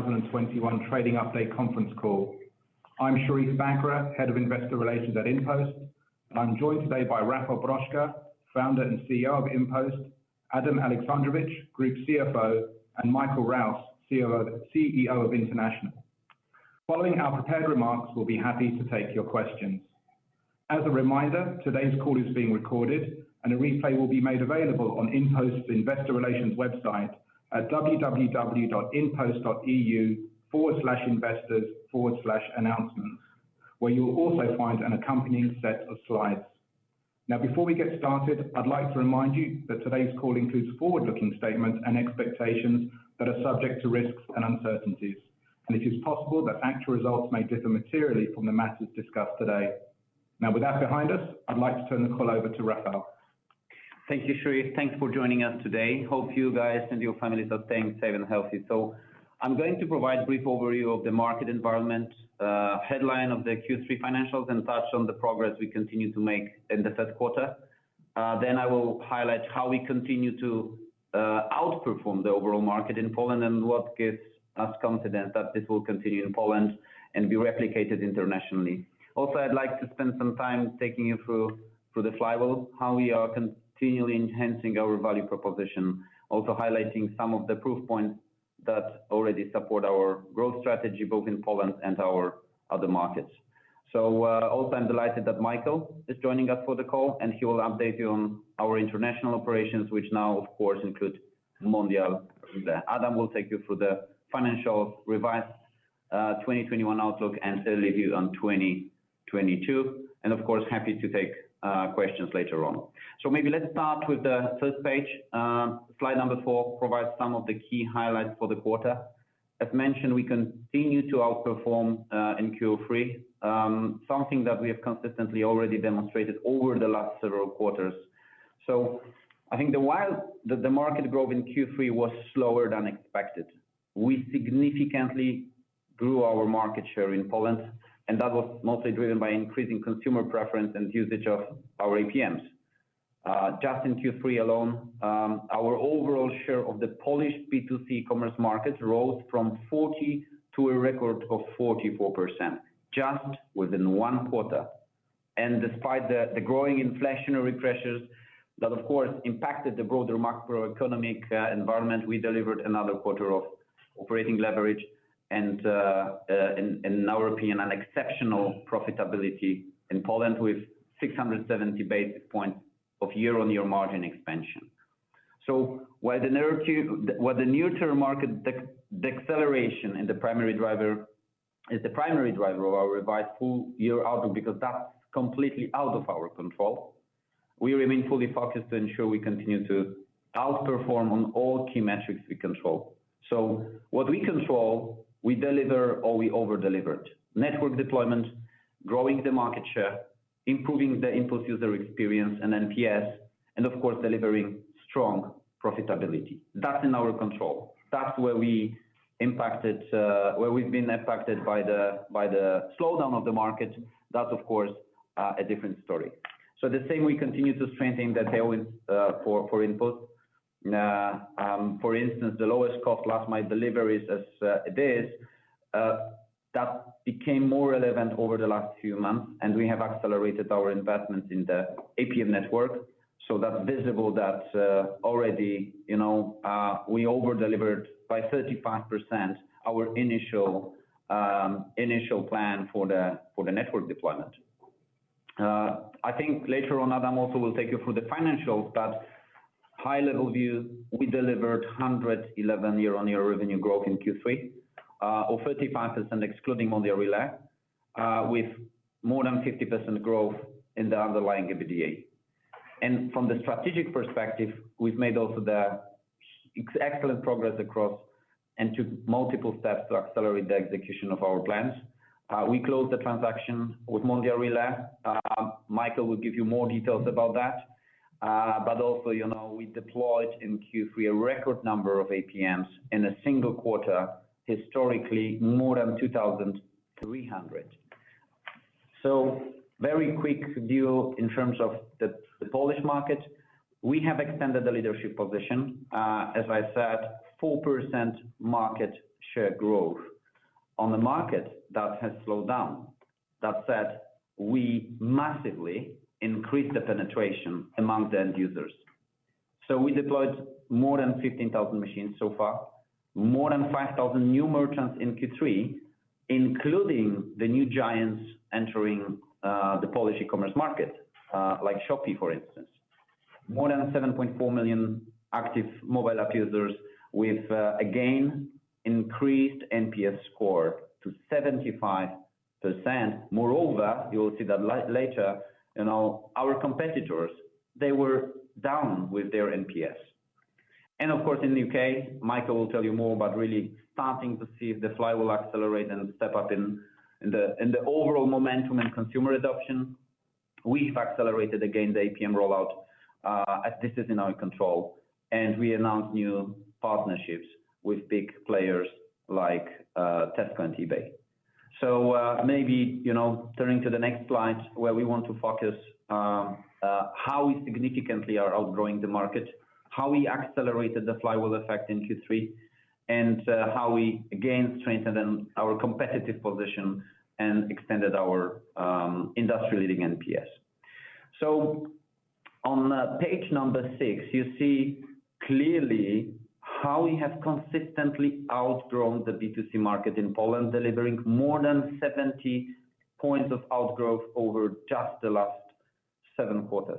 2021 trading update conference call. I'm Sherief Bakr, Head of Investor Relations at InPost. I'm joined today by Rafał Brzoska, Founder and CEO of InPost, Adam Aleksandrowicz, Group CFO, and Michael Rouse, CEO of International. Following our prepared remarks, we'll be happy to take your questions. As a reminder, today's call is being recorded and a replay will be made available on InPost Investor Relations website at www.inpost.eu/investors/announcements, where you'll also find an accompanying set of slides. Now, before we get started, I'd like to remind you that today's call includes forward-looking statements and expectations that are subject to risks and uncertainties, and it is possible that actual results may differ materially from the matters discussed today. Now, with that behind us, I'd like to turn the call over to Rafał. Thank you, Sherief. Thanks for joining us today. Hope you guys and your families are staying safe and healthy. I'm going to provide a brief overview of the market environment, headline of the Q3 financials, and touch on the progress we continue to make in the third quarter. I will highlight how we continue to outperform the overall market in Poland and what gives us confidence that this will continue in Poland and be replicated internationally. Also, I'd like to spend some time taking you through the flywheel, how we are continually enhancing our value proposition. Also highlighting some of the proof points that already support our growth strategy, both in Poland and our other markets. Also I'm delighted that Michael is joining us for the call, and he will update you on our international operations, which now, of course, include Mondial Relay. Adam will take you through the financial revised 2021 outlook and early views on 2022. Of course, happy to take questions later on. Maybe let's start with the first page. Slide number four provides some of the key highlights for the quarter. As mentioned, we continue to outperform in Q3, something that we have consistently already demonstrated over the last several quarters. I think while the market growth in Q3 was slower than expected, we significantly grew our market share in Poland, and that was mostly driven by increasing consumer preference and usage of our APMs. Just in Q3 alone, our overall share of the Polish B2C commerce market rose from 40% to a record of 44%, just within one quarter. Despite the growing inflationary pressures that of course impacted the broader macroeconomic environment, we delivered another quarter of operating leverage and, in our opinion, an exceptional profitability in Poland with 670 basis points of year-on-year margin expansion. While the near-term market deceleration is the primary driver of our revised full year outlook, because that's completely out of our control, we remain fully focused to ensure we continue to outperform on all key metrics we control. What we control, we deliver or we over-delivered. Network deployment, growing the market share, improving the InPost user experience and NPS, and of course, delivering strong profitability. That's in our control. That's where we've been impacted by the slowdown of the market. That's of course a different story. The thing we continue to strengthen the tailwind for InPost. For instance, the lowest cost last mile deliveries as that became more relevant over the last few months, and we have accelerated our investments in the APM network. That's visible that already, you know, we over-delivered by 35% our initial plan for the network deployment. I think later on, Adam also will take you through the financials, but high-level view, we delivered 111% year-on-year revenue growth in Q3, or 35% excluding Mondial Relay, with more than 50% growth in the underlying EBITDA. From the strategic perspective, we've made also excellent progress across and took multiple steps to accelerate the execution of our plans. We closed the transaction with Mondial Relay. Michael will give you more details about that. But also, you know, we deployed in Q3 a record number of APMs in a single quarter, historically, more than 2,300. Very quick view in terms of the Polish market. We have extended the leadership position. As I said, 4% market share growth on the market that has slowed down. That said, we massively increased the penetration among the end users. We deployed more than 15,000 machines so far, more than 5,000 new merchants in Q3, including the new giants entering the Polish e-commerce market, like Shopee, for instance. More than 7.4 million active mobile app users with again increased NPS score to 75%. Moreover, you will see that later, you know, our competitors, they were down with their NPS. Of course, in the U.K., Michael will tell you more about really starting to see the flywheel accelerate and step up in the overall momentum and consumer adoption. We've accelerated again the APM rollout as this is in our control, and we announced new partnerships with big players like Tesco and eBay. Maybe, you know, turning to the next slide where we want to focus how we significantly are outgrowing the market, how we accelerated the flywheel effect in Q3, and how we again strengthened our competitive position and extended our industry-leading NPS. On page number six, you see clearly how we have consistently outgrown the B2C market in Poland, delivering more than 70 points of outgrowth over just the last seven quarters.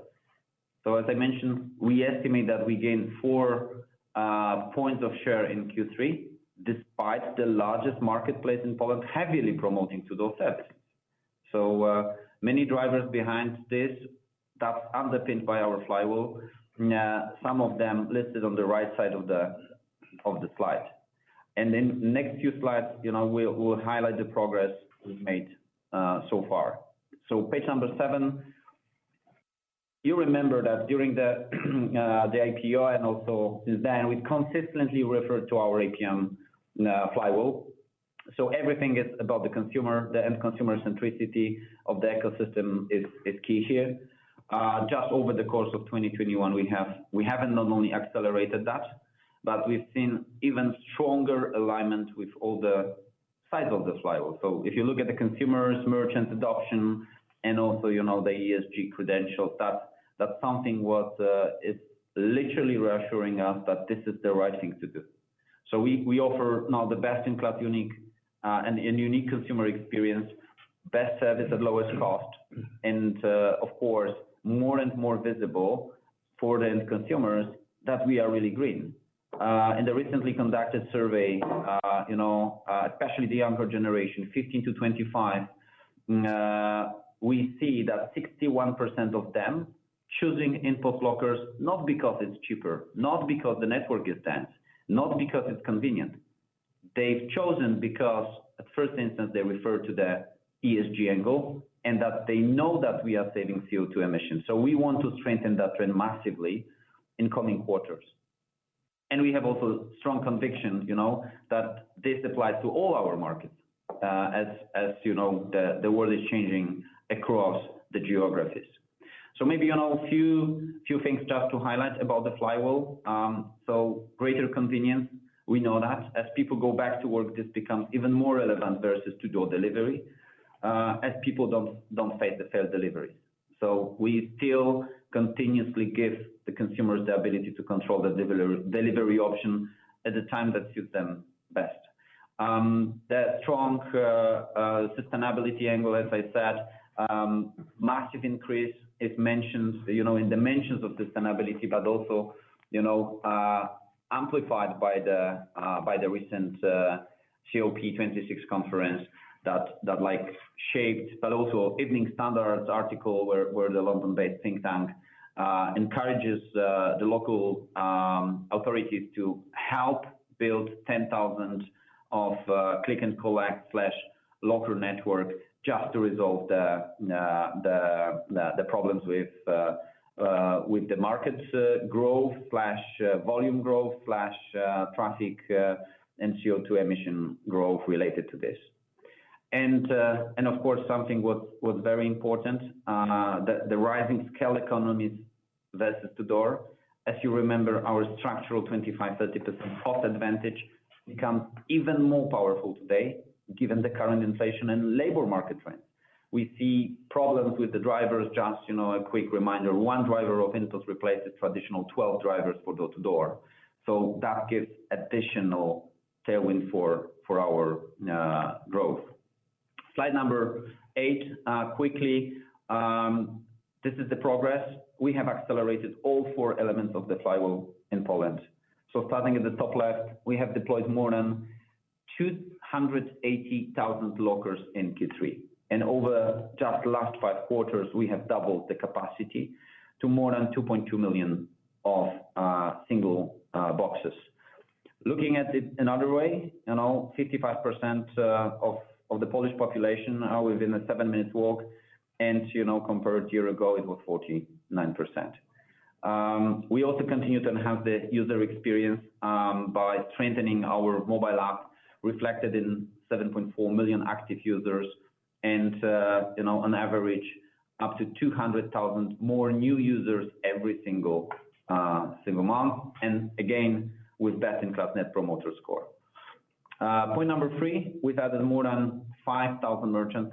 As I mentioned, we estimate that we gained 4 points of share in Q3, despite the largest marketplace in Poland heavily promoting to-door. Many drivers behind this that's underpinned by our flywheel. Some of them listed on the right side of the slide. In next few slides, you know, we'll highlight the progress we've made so far. Page number seven. You remember that during the IPO and also since then, we've consistently referred to our APM flywheel. Everything is about the consumer. The end consumer centricity of the ecosystem is key here. Just over the course of 2021, we have not only accelerated that, but we've seen even stronger alignment with all the sides of the flywheel. If you look at the consumers, merchants adoption, and also, you know, the ESG credentials, that's something what is literally reassuring us that this is the right thing to do. We offer now the best-in-class unique and unique consumer experience, best service at lowest cost. Of course, more and more visible for the end consumers that we are really green. In the recently conducted survey, you know, especially the younger generation, 15-25, we see that 61% of them choosing InPost lockers, not because it's cheaper, not because the network is dense, not because it's convenient. They've chosen because at first instance, they refer to the ESG angle and that they know that we are saving CO2 emissions. We want to strengthen that trend massively in coming quarters. We have also strong convictions, you know, that this applies to all our markets, as you know, the world is changing across the geographies. Maybe, you know, a few things just to highlight about the flywheel. Greater convenience, we know that. As people go back to work, this becomes even more relevant versus to-door delivery, as people don't face the failed deliveries. We still continuously give the consumers the ability to control the delivery option at the time that suits them best. The strong sustainability angle, as I said, massive increase is mentioned, you know, in dimensions of sustainability, but also, you know, amplified by the recent COP26 conference that like shaped, but also Evening Standard's article where the London-based think tank encourages the local authorities to help build 10,000 click and collect locker networks just to resolve the problems with the market's growth volume growth traffic and CO2 emission growth related to this. Of course, something was very important, the rising scale economies versus to-door. As you remember, our structural 25%-30% cost advantage becomes even more powerful today given the current inflation and labor market trend. We see problems with the drivers. Just, you know, a quick reminder, one driver of InPost replaces traditional 12 drivers for door-to-door. That gives additional tailwind for our growth. Slide number eight, quickly. This is the progress. We have accelerated all four elements of the flywheel in Poland. Starting at the top left, we have deployed more than 280,000 lockers in Q3. Over just last five quarters, we have doubled the capacity to more than 2.2 million single boxes. Looking at it another way, you know, 55% of the Polish population are within a seven-minute walk. You know, compared a year ago, it was 49%. We also continued to enhance the user experience by strengthening our mobile app, reflected in 7.4 million active users and, you know, on average up to 200,000 more new users every single month. Again, with best-in-class net promoter score. Point number three, we've added more than 5,000 merchants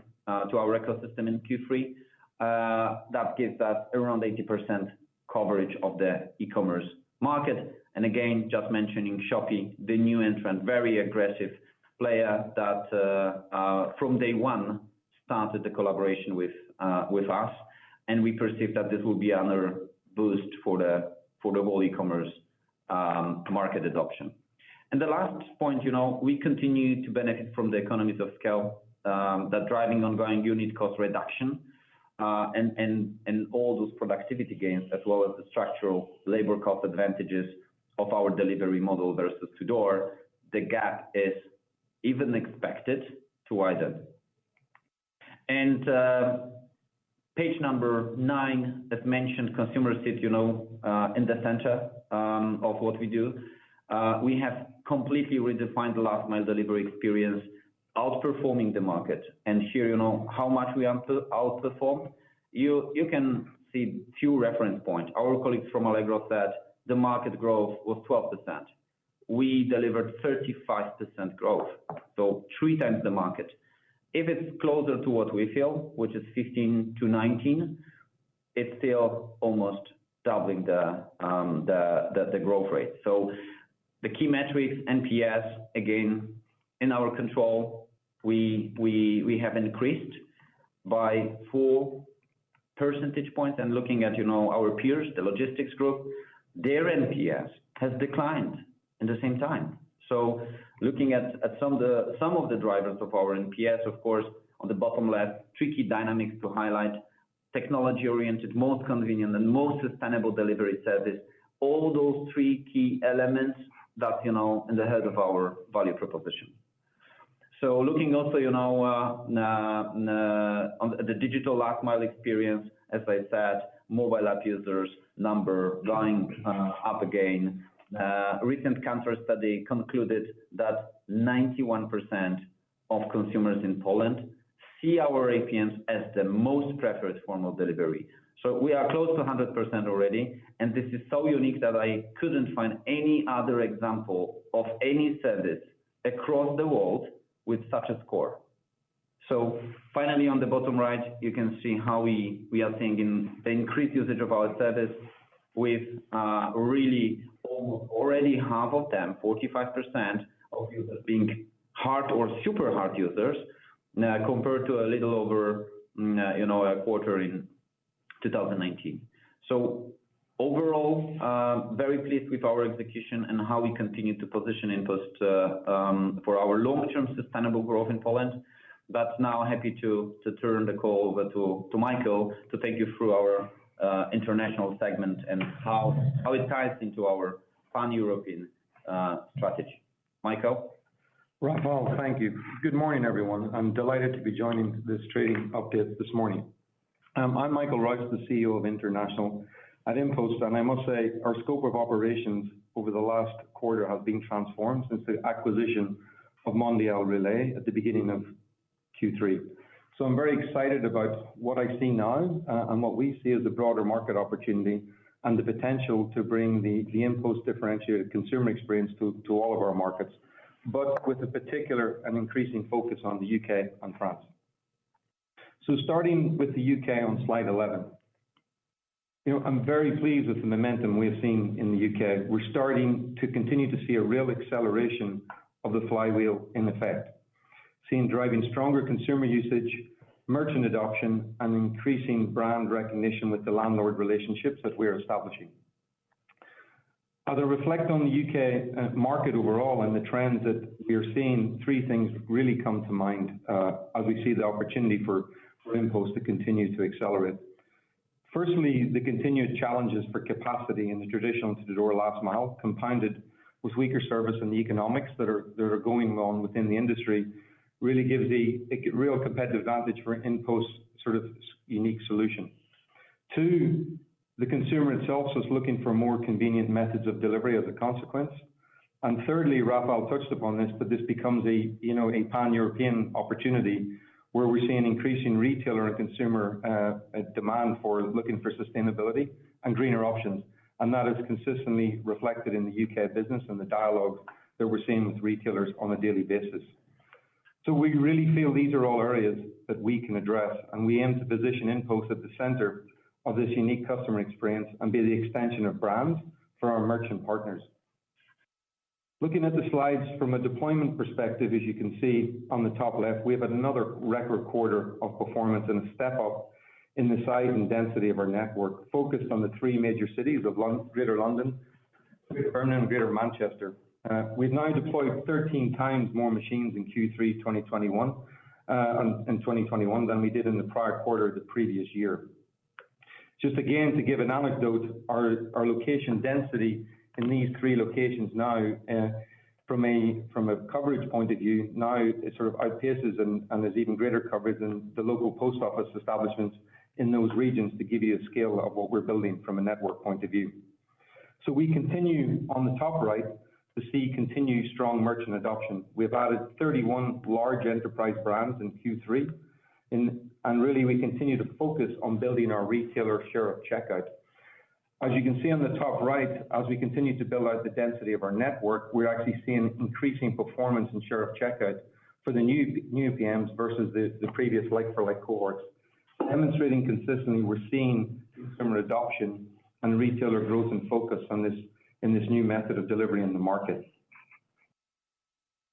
to our ecosystem in Q3. That gives us around 80% coverage of the e-commerce market. Again, just mentioning Shopee, the new entrant, very aggressive player that from day one started the collaboration with us, and we perceive that this will be another boost for the whole e-commerce market adoption. The last point, you know, we continue to benefit from the economies of scale that driving ongoing unit cost reduction, and all those productivity gains as well as the structural labor cost advantages of our delivery model versus to-door, the gap is even expected to widen. Page nine that mentioned consumer sentiment, you know, in the center of what we do. We have completely redefined the last mile delivery experience, outperforming the market. Here you know how much we outperformed. You can see two reference points. Our colleagues from Allegro said the market growth was 12%. We delivered 35% growth, so 3x the market. If it's closer to what we feel, which is 15%-19%, it's still almost doubling the growth rate. The key metrics, NPS, again, in our control, we have increased by 4 percentage points. Looking at our peers, the logistics group, their NPS has declined in the same time. Looking at some of the drivers of our NPS, of course, on the bottom left, three key dynamics to highlight, technology-oriented, most convenient, and most sustainable delivery service. All those three key elements that in the heart of our value proposition. Looking also on the digital last mile experience, as I said, mobile app users number going up again. Recent Kantar study concluded that 91% of consumers in Poland see our APMs as the most preferred form of delivery. We are close to 100% already, and this is so unique that I couldn't find any other example of any service across the world with such a score. Finally, on the bottom right, you can see how we are seeing in the increased usage of our service with, really almost already half of them, 45% of users being hard or super hard users, compared to a little over, you know, a quarter in 2019. Overall, very pleased with our execution and how we continue to position InPost for our long-term sustainable growth in Poland. Now happy to turn the call over to Michael to take you through our international segment and how it ties into our pan-European strategy. Michael? Rafał, thank you. Good morning, everyone. I'm delighted to be joining this trading update this morning. I'm Michael Rouse, the CEO of International at InPost, and I must say, our scope of operations over the last quarter has been transformed since the acquisition of Mondial Relay at the beginning of Q3. I'm very excited about what I see now, and what we see as the broader market opportunity and the potential to bring the InPost differentiated consumer experience to all of our markets, but with a particular and increasing focus on the U.K. and France. Starting with the U.K. on slide 11. You know, I'm very pleased with the momentum we're seeing in the U.K. We're starting to continue to see a real acceleration of the flywheel in effect. seeing driving stronger consumer usage, merchant adoption, and increasing brand recognition with the landlord relationships that we're establishing. As I reflect on the U.K. market overall and the trends that we are seeing, three things really come to mind as we see the opportunity for InPost to continue to accelerate. Firstly, the continued challenges for capacity in the traditional to-door last mile, compounded with weaker service and the economics that are going on within the industry, really gives a real competitive advantage for InPost sort of unique solution. Two, the consumer itself is looking for more convenient methods of delivery as a consequence. Thirdly, Rafał touched upon this, but this becomes a you know a pan-European opportunity where we're seeing increasing retailer and consumer demand for looking for sustainability and greener options. That is consistently reflected in the U.K. business and the dialogue that we're seeing with retailers on a daily basis. We really feel these are all areas that we can address, and we aim to position InPost at the center of this unique customer experience and be the extension of brand for our merchant partners. Looking at the slides from a deployment perspective, as you can see on the top left, we have had another record quarter of performance and a step up in the size and density of our network, focused on the three major cities of Greater London, Greater Birmingham and Greater Manchester. We've now deployed 13 times more machines in Q3 2021, in 2021 than we did in the prior quarter the previous year. Just again, to give an anecdote, our location density in these three locations now, from a coverage point of view, now it sort of outpaces and there's even greater coverage than the local post office establishments in those regions to give you a scale of what we're building from a network point of view. We continue on the top right to see continued strong merchant adoption. We've added 31 large enterprise brands in Q3 and really we continue to focus on building our retailer share of checkout. As you can see on the top right, as we continue to build out the density of our network, we're actually seeing increasing performance and share of checkout for the new APMs versus the previous like for like cohorts. Demonstrating consistently, we're seeing consumer adoption and retailer growth and focus on this, in this new method of delivery in the market.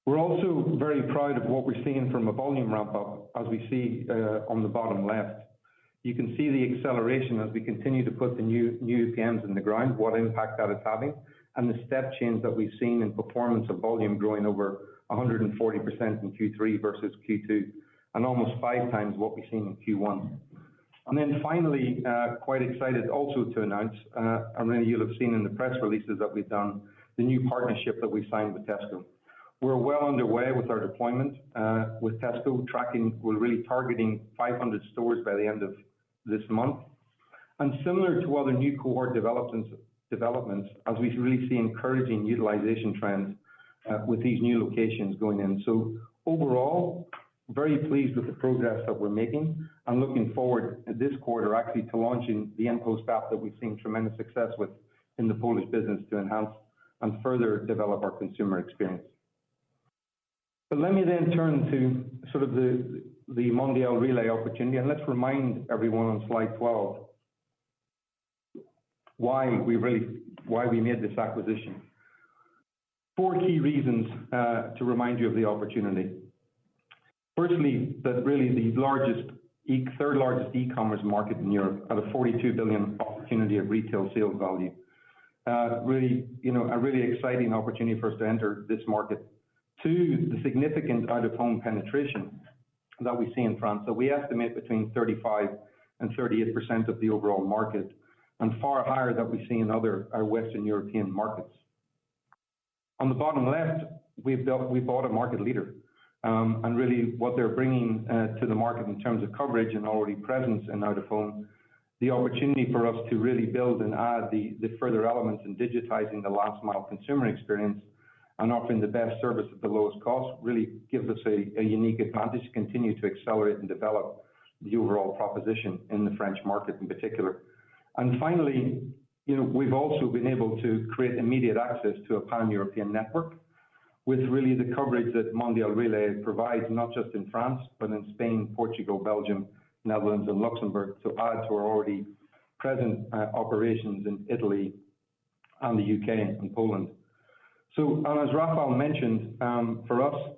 We're also very proud of what we're seeing from a volume ramp-up, as we see on the bottom left. You can see the acceleration as we continue to put the new APMs in the ground, what impact that is having, and the step change that we've seen in performance of volume growing over 140% in Q3 versus Q2, and almost five times what we've seen in Q1. Then finally, quite excited also to announce, and many of you have seen in the press releases that we've done, the new partnership that we've signed with Tesco. We're well underway with our deployment with Tesco tracking. We're really targeting 500 stores by the end of this month. Similar to other new cohort developments, as we really see encouraging utilization trends with these new locations going in. Overall, very pleased with the progress that we're making and looking forward this quarter actually to launching the InPost app that we've seen tremendous success with in the Polish business to enhance and further develop our consumer experience. Let me then turn to sort of the Mondial Relay opportunity, and let's remind everyone on slide 12 why we made this acquisition. Four key reasons to remind you of the opportunity. Firstly, that really the third-largest e-commerce market in Europe at a 42 billion opportunity of retail sales value. Really, you know, a really exciting opportunity for us to enter this market. Two, the significant out-of-home penetration that we see in France. We estimate between 35% and 38% of the overall market, and far higher than we see in other, our Western European markets. On the bottom left, we bought a market leader. Really what they're bringing to the market in terms of coverage and already presence in out-of-home, the opportunity for us to really build and add the further elements in digitizing the last mile consumer experience and offering the best service at the lowest cost, really gives us a unique advantage to continue to accelerate and develop the overall proposition in the French market in particular. Finally, you know, we've also been able to create immediate access to a pan-European network with really the coverage that Mondial Relay provides, not just in France, but in Spain, Portugal, Belgium, Netherlands and Luxembourg, to add to our already present operations in Italy and the U.K. and Poland. As Rafał mentioned, for us,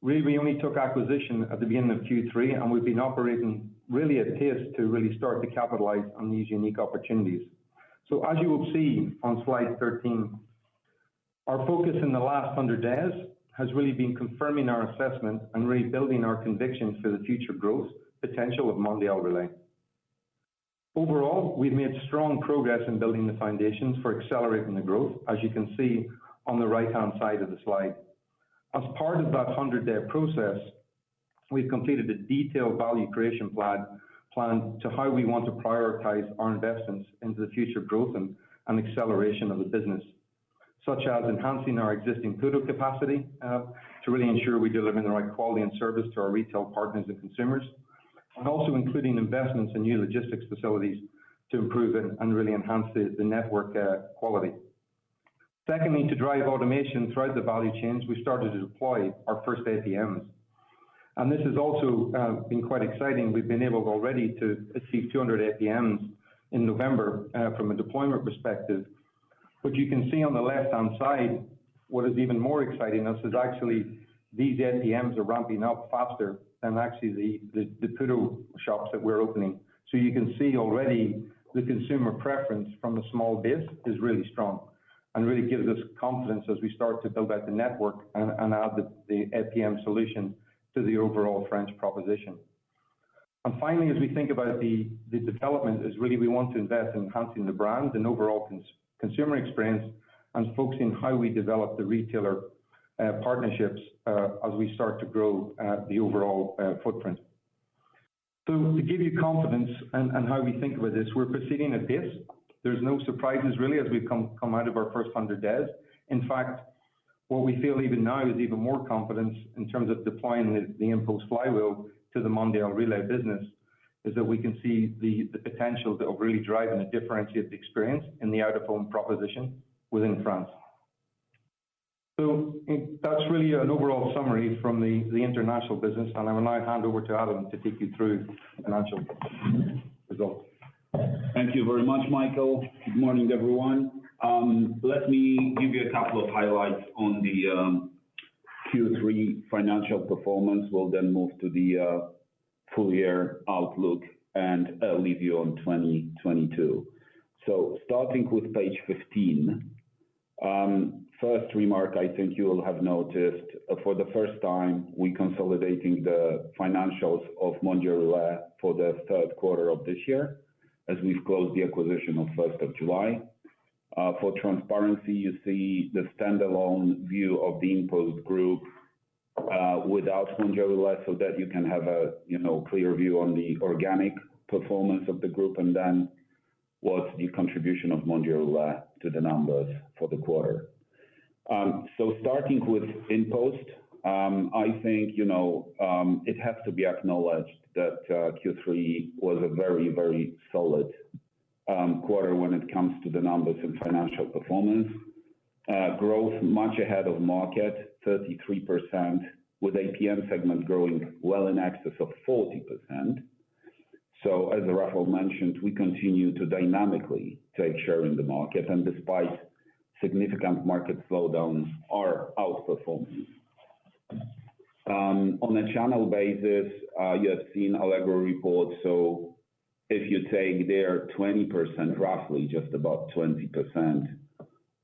really we only took acquisition at the beginning of Q3, and we've been operating really at pace to really start to capitalize on these unique opportunities. As you will see on slide 13, our focus in the last 100 days has really been confirming our assessment and rebuilding our conviction for the future growth potential of Mondial Relay. Overall, we've made strong progress in building the foundations for accelerating the growth, as you can see on the right-hand side of the slide. As part of that 100-day process, we've completed a detailed value creation plan to how we want to prioritize our investments into the future growth and acceleration of the business, such as enhancing our existing PUDO capacity to really ensure we deliver the right quality and service to our retail partners and consumers, and also including investments in new logistics facilities to improve and really enhance the network quality. Secondly, to drive automation throughout the value chains, we started to deploy our first APMs. This has also been quite exciting. We've been able already to exceed 200 APMs in November from a deployment perspective. You can see on the left-hand side what is even more exciting is actually these APMs are ramping up faster than actually the PUDO shops that we're opening. You can see already the consumer preference from the small base is really strong and really gives us confidence as we start to build out the network and add the APM solution to the overall French proposition. Finally, as we think about the development, we really want to invest in enhancing the brand and overall consumer experience and focusing how we develop the retailer partnerships as we start to grow the overall footprint. To give you confidence and how we think with this, we're proceeding at pace. There's no surprises really as we've come out of our first 100 days. In fact, what we feel even now is even more confidence in terms of deploying the InPost flywheel to the Mondial Relay business, is that we can see the potential that we're really driving a differentiated experience in the out-of-home proposition within France. That's really an overall summary from the international business, and I will now hand over to Adam to take you through financial results. Thank you very much, Michael. Good morning, everyone. Let me give you a couple of highlights on the Q3 financial performance. We'll then move to the full year outlook and leave you on 2022. Starting with page 15, first remark I think you'll have noticed, for the first time, we're consolidating the financials of Mondial Relay for the third quarter of this year as we've closed the acquisition on July 1st. For transparency, you see the standalone view of the InPost group, without Mondial Relay, so that you can have a you know clear view on the organic performance of the group, and then what's the contribution of Mondial Relay to the numbers for the quarter. Starting with InPost, I think, you know, it has to be acknowledged that Q3 was a very, very solid quarter when it comes to the numbers and financial performance. Growth much ahead of market, 33% with APM segment growing well in excess of 40%. As Rafał mentioned, we continue to dynamically take share in the market, and despite significant market slowdowns are outperforming. On a channel basis, you have seen Allegro report, if you take their 20%, roughly just about 20%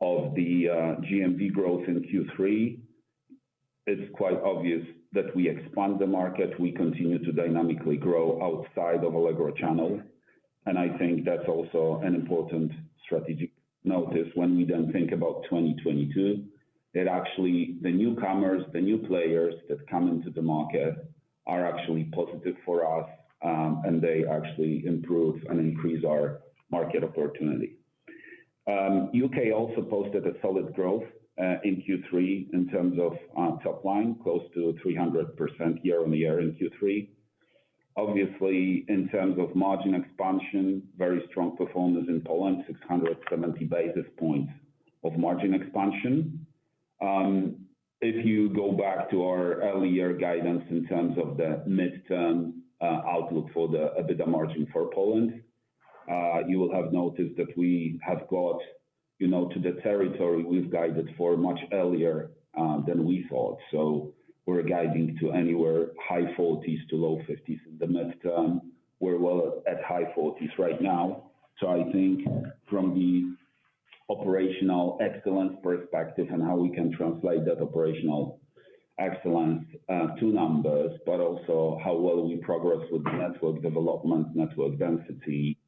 of the GMV growth in Q3. It's quite obvious that we expand the market, we continue to dynamically grow outside of Allegro channel. I think that's also an important strategic notice when we then think about 2022, that actually the newcomers, the new players that come into the market are actually positive for us, and they actually improve and increase our market opportunity. U.K. also posted a solid growth in Q3 in terms of top line, close to 300% year-on-year in Q3. Obviously, in terms of margin expansion, very strong performance in Poland, 670 basis points of margin expansion. If you go back to our earlier guidance in terms of the midterm outlook for the EBITDA margin for Poland, you will have noticed that we have got to the territory we've guided for much earlier than we thought. We're guiding to anywhere high 40s-low 50s in the midterm. We're well at high 40s right now. I think from the operational excellence perspective and how we can translate that operational excellence to numbers, but also how well we progress with the network development, network density,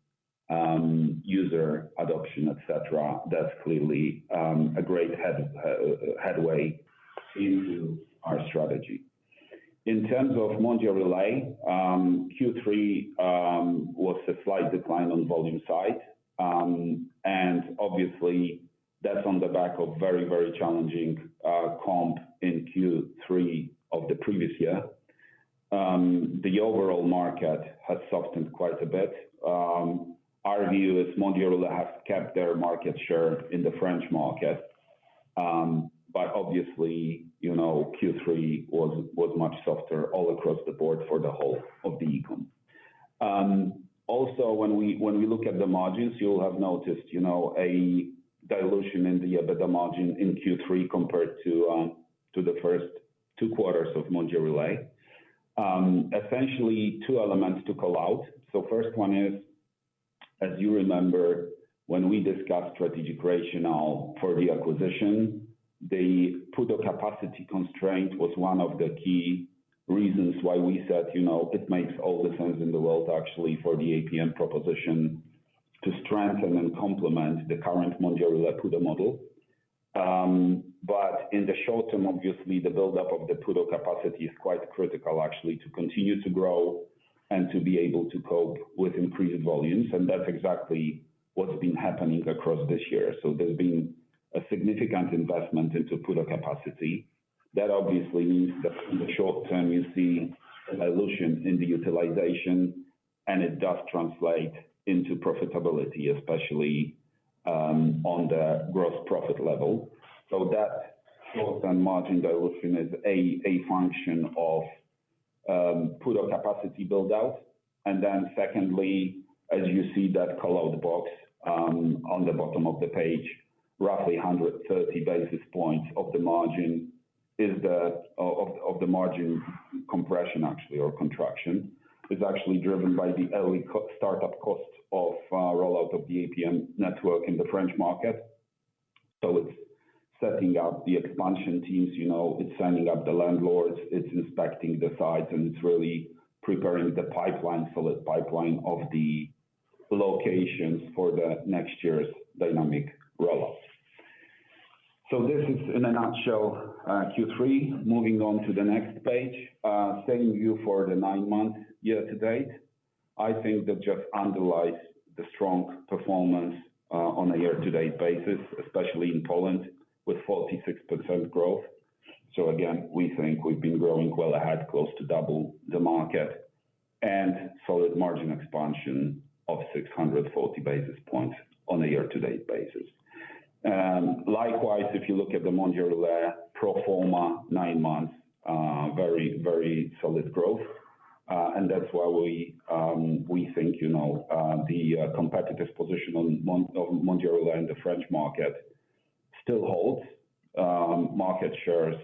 user adoption, et cetera, that's clearly a great headway into our strategy. In terms of Mondial Relay, Q3 was a slight decline on volume side. Obviously, that's on the back of very, very challenging comp in Q3 of the previous year. The overall market has softened quite a bit. Our view is Mondial Relay have kept their market share in the French market. Obviously, you know, Q3 was much softer all across the board for the whole of the e-com. Also when we look at the margins, you'll have noticed, you know, a dilution in the EBITDA margin in Q3 compared to the first two quarters of Mondial Relay. Essentially two elements to call out. First one is, as you remember when we discussed strategic rationale for the acquisition, the PUDO capacity constraint was one of the key reasons why we said, you know, it makes all the sense in the world actually for the APM proposition to strengthen and complement the current Mondial Relay PUDO model. In the short term, obviously, the buildup of the PUDO capacity is quite critical actually to continue to grow and to be able to cope with increased volumes. That's exactly what's been happening across this year. There's been a significant investment into PUDO capacity. That obviously means that in the short term, you see a dilution in the utilization, and it does translate into profitability, especially on the gross profit level. That short-term margin dilution is a function of PUDO capacity build-out. Secondly, as you see that call out box on the bottom of the page, roughly 130 basis points of the margin compression actually or contraction is actually driven by the early startup costs of rollout of the APM network in the French market. It's setting up the expansion teams, you know, it's signing up the landlords, it's inspecting the sites, and it's really preparing the pipeline, solid pipeline of the locations for the next year's dynamic roll-out. This is in a nutshell Q3. Moving on to the next page, same view for the nine-month year-to-date. I think that just underlies the strong performance on a year-to-date basis, especially in Poland with 46% growth. Again, we think we've been growing well ahead, close to double the market and solid margin expansion of 640 basis points on a year-to-date basis. Likewise, if you look at the Mondial Relay pro forma nine months, very, very solid growth. That's why we think, you know, the competitive position of Mondial Relay in the French market still holds. Market shares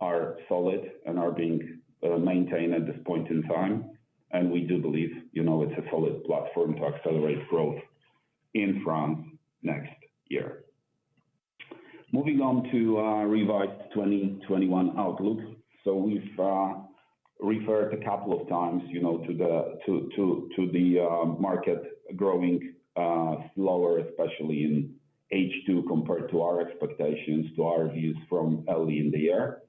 are solid and are being maintained at this point in time, and we do believe, you know, it's a solid platform to accelerate growth in France next year. Moving on to revised 2021 outlook. We've referred a couple of times, you know, to the market growing slower, especially in H2 compared to our expectations, to our views from early in the year.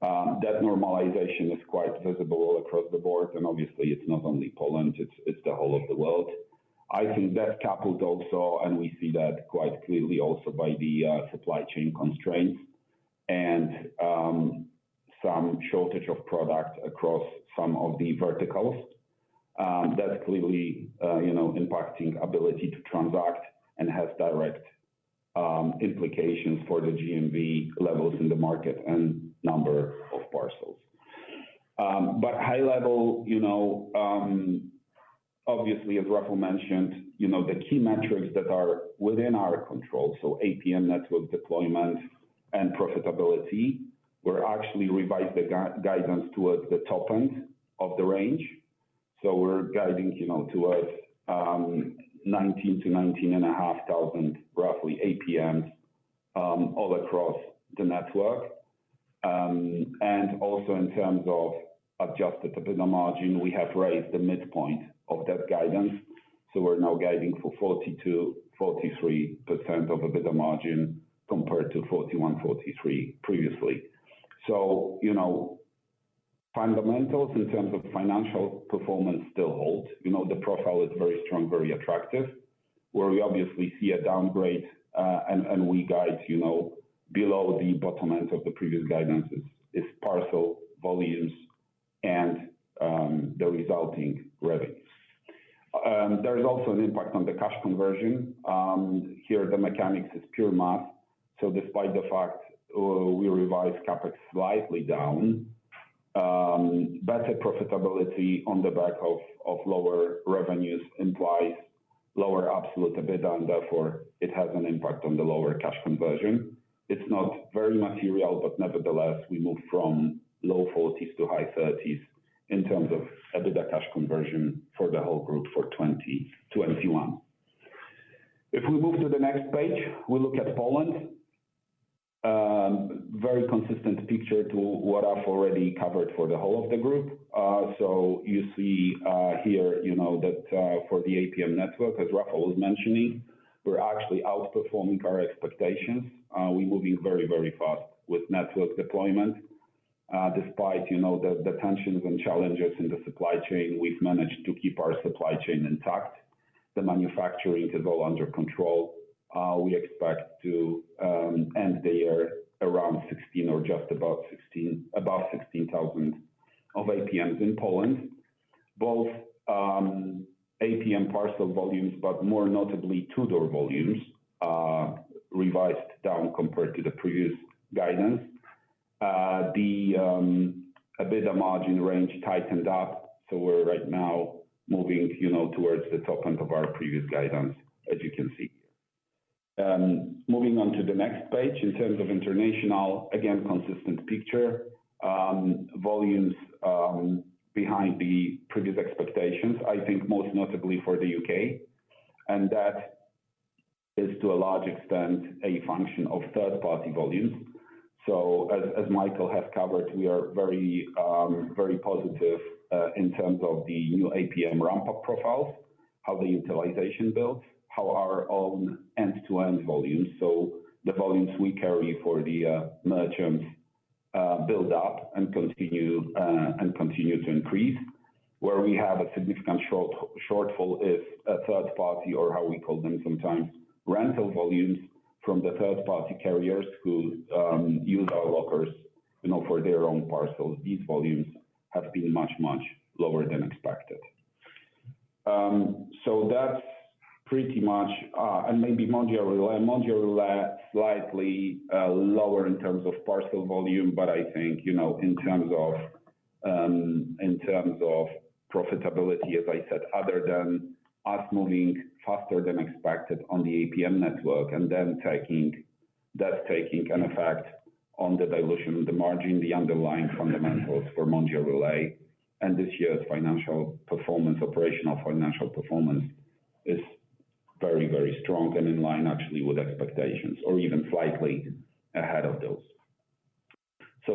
That normalization is quite visible all across the board, and obviously it's not only Poland, it's the whole of the world. I think that coupled also, and we see that quite clearly also by the supply chain constraints and some shortage of product across some of the verticals, that's clearly, you know, impacting ability to transact and has direct implications for the GMV levels in the market and number of parcels. High level, you know, obviously as Rafał mentioned, you know, the key metrics that are within our control, so APM network deployment and profitability, we're actually revised the guidance towards the top end of the range. We're guiding, you know, towards 19,000-19,500, roughly, APMs all across the network. Also in terms of adjusted EBITDA margin, we have raised the midpoint of that guidance. We're now guiding for 40%-43% of EBITDA margin compared to 41%-43% previously. Fundamentals in terms of financial performance still hold. You know, the profile is very strong, very attractive. Where we obviously see a downgrade and we guide, you know, below the bottom end of the previous guidance is parcel volumes and the resulting revenues. There is also an impact on the cash conversion. Here the mechanics is pure math. Despite the fact, we revised CapEx slightly down, better profitability on the back of lower revenues implies lower absolute EBITDA, and therefore it has an impact on the lower cash conversion. It's not very material, but nevertheless, we move from low 40s to high 30s in terms of EBITDA cash conversion for the whole group for 2021. If we move to the next page, we look at Poland. Very consistent picture to what I've already covered for the whole of the group. You see, here, you know, that, for the APM network, as Rafał was mentioning, we're actually outperforming our expectations. We're moving very, very fast with network deployment. Despite, you know, the tensions and challenges in the supply chain, we've managed to keep our supply chain intact. The manufacturing is all under control. We expect to end the year around 16 or just above 16,000 APMs in Poland. Both APM parcel volumes, but more notably to-door volumes, are revised down compared to the previous guidance. The EBITDA margin range tightened up, so we're right now moving, you know, towards the top end of our previous guidance, as you can see. Moving on to the next page. In terms of international, again, consistent picture. Volumes behind the previous expectations, I think most notably for the U.K. That is, to a large extent, a function of third-party volumes. As Michael has covered, we are very, very positive in terms of the new APM ramp-up profiles, how the utilization builds, how our own end-to-end volumes. The volumes we carry for the merchants build up and continue to increase. Where we have a significant shortfall is at third party or how we call them sometimes rental volumes from the third-party carriers who use our lockers, you know, for their own parcels. These volumes have been much, much lower than expected. That's pretty much, and maybe Mondial Relay slightly lower in terms of parcel volume, but I think, you know, in terms of profitability, as I said, other than us moving faster than expected on the APM network and then taking. That's taking an effect on the dilution, the margin, the underlying fundamentals for Mondial Relay and this year's financial performance, operational financial performance is very, very strong and in line actually with expectations or even slightly ahead of those.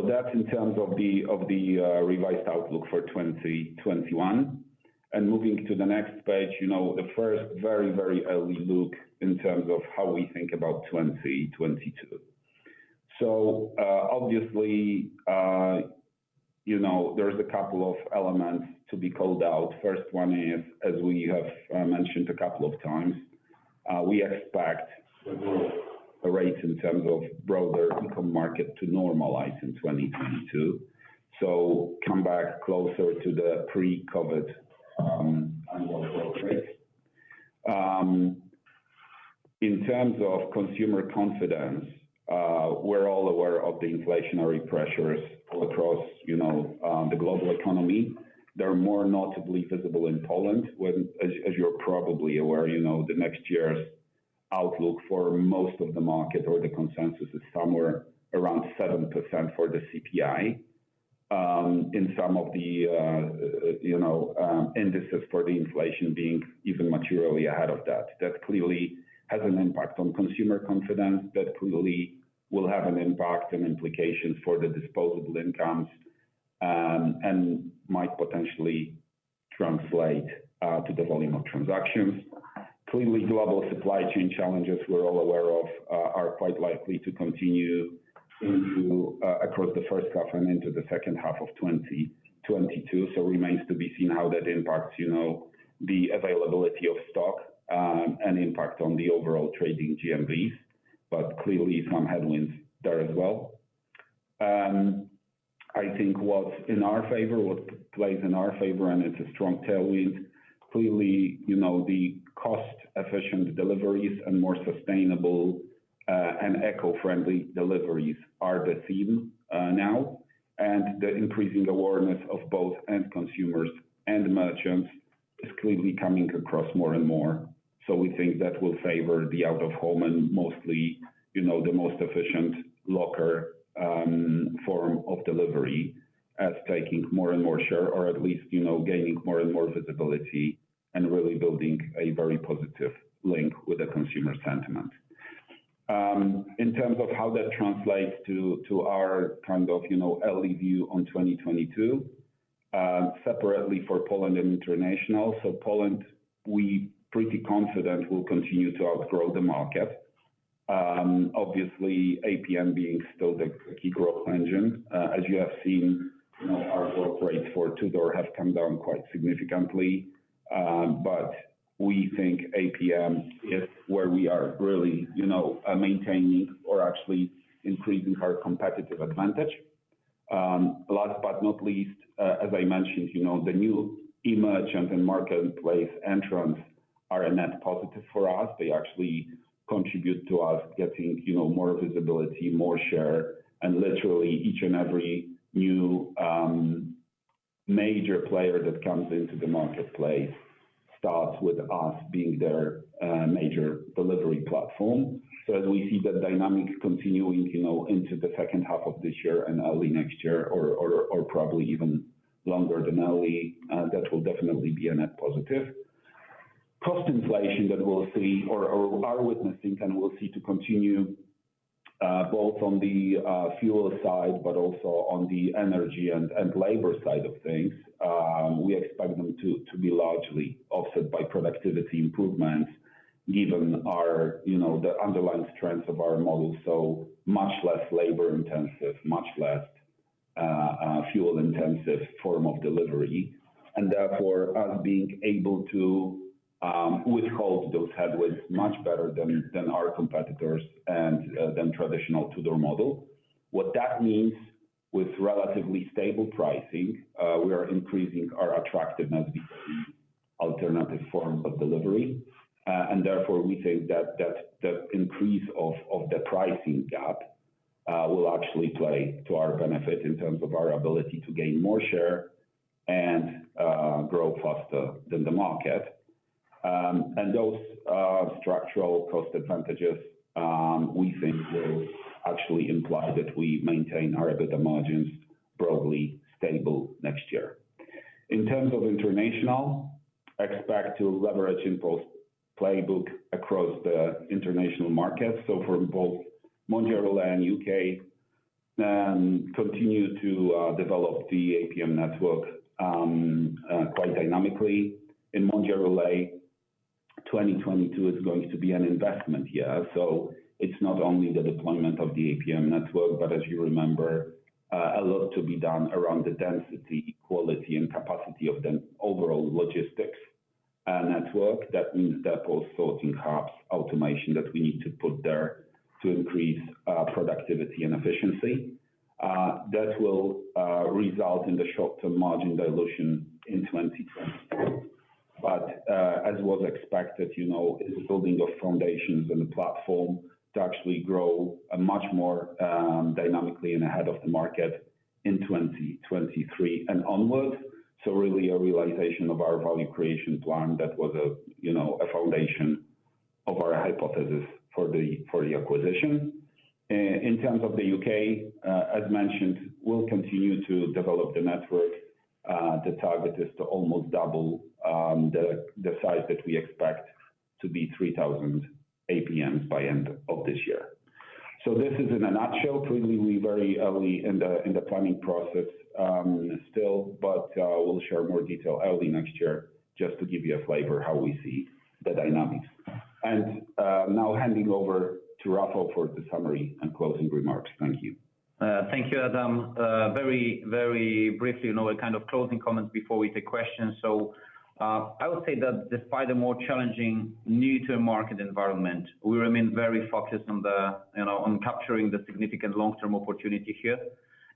That's in terms of the revised outlook for 2021. Moving to the next page, you know, the first very, very early look in terms of how we think about 2022. Obviously, you know, there's a couple of elements to be called out. First one is, as we have mentioned a couple of times, we expect the growth rates in terms of broader e-com market to normalize in 2022. Come back closer to the pre-COVID annual growth rates. In terms of consumer confidence, we're all aware of the inflationary pressures across, you know, the global economy. They're more notably visible in Poland, whereas, as you're probably aware, you know, the next year's outlook for most of the market or the consensus is somewhere around 7% for the CPI. In some of the, you know, indices for the inflation being even materially ahead of that. That clearly has an impact on consumer confidence. That clearly will have an impact and implications for the disposable incomes, and might potentially translate to the volume of transactions. Clearly, global supply chain challenges we're all aware of are quite likely to continue into across the first half and into the second half of 2022. Remains to be seen how that impacts, you know, the availability of stock, and impact on the overall trading GMVs, but clearly some headwinds there as well. I think what's in our favor, what plays in our favor and it's a strong tailwind, clearly, you know, the cost-efficient deliveries and more sustainable, and eco-friendly deliveries are the theme, now. The increasing awareness of both end consumers and merchants is clearly coming across more and more, so we think that will favor the out of home and mostly, you know, the most efficient locker, form of delivery as taking more and more share or at least, you know, gaining more and more visibility and really building a very positive link with the consumer sentiment. In terms of how that translates to our kind of, you know, early view on 2022, separately for Poland and international. Poland, we pretty confident will continue to outgrow the market. Obviously APM being still the key growth engine. As you have seen, you know, our growth rate for to-door has come down quite significantly. We think APM is where we are really, you know, maintaining or actually increasing our competitive advantage. Last but not least, as I mentioned, you know, the new e-merchant and marketplace entrants are a net positive for us. They actually contribute to us getting, you know, more visibility, more share, and literally each and every new major player that comes into the marketplace starts with us being their major delivery platform. As we see that dynamic continuing, you know, into the second half of this year and early next year or probably even longer than early, that will definitely be a net positive. Cost inflation that we'll see or are witnessing and will see to continue, both on the fuel side, but also on the energy and labor side of things, we expect them to be largely offset by productivity improvements given our, you know, the underlying strengths of our model. Much less labor-intensive, much less fuel intensive form of delivery, and therefore us being able to withstand those headwinds much better than our competitors and than traditional to-door model. What that means with relatively stable pricing, we are increasing our attractiveness with alternative forms of delivery. Therefore we think that increase of the pricing gap will actually play to our benefit in terms of our ability to gain more share and grow faster than the market. Those structural cost advantages we think will actually imply that we maintain our EBITDA margins broadly stable next year. In terms of international, we expect to leverage InPost playbook across the international markets. For both Mondial Relay and U.K., we continue to develop the APM network quite dynamically. In Mondial Relay, 2022 is going to be an investment year, so it's not only the deployment of the APM network, but as you remember, a lot to be done around the density, quality and capacity of the overall logistics network. That means depot sorting hubs, automation that we need to put there to increase productivity and efficiency. That will result in the short-term margin dilution in 2024. As was expected, you know, it's building of foundations and platform to actually grow a much more dynamically and ahead of the market in 2023 and onward. So really a realization of our value creation plan that was a, you know, a foundation of our hypothesis for the acquisition. In terms of the U.K., as mentioned, we'll continue to develop the network. The target is to almost double the size that we expect to be 3,000 APMs by end of this year. So this is in a nutshell. Clearly we're very early in the planning process still, but we'll share more detail early next year just to give you a flavor how we see the dynamics. Now handing over to Rafał for the summary and closing remarks. Thank you. Thank you, Adam. Very, very briefly, you know, a kind of closing comments before we take questions. I would say that despite a more challenging near-term market environment, we remain very focused on the, you know, on capturing the significant long-term opportunity here,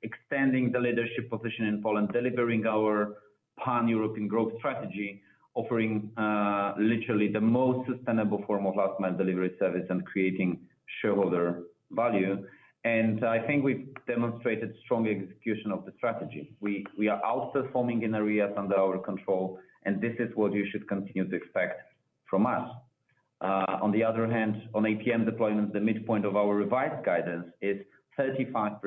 expanding the leadership position in Poland, delivering our pan-European growth strategy, offering, literally the most sustainable form of last mile delivery service and creating shareholder value. I think we've demonstrated strong execution of the strategy. We are outperforming in areas under our control, and this is what you should continue to expect from us. On the other hand, on APM deployment, the midpoint of our revised guidance is 35%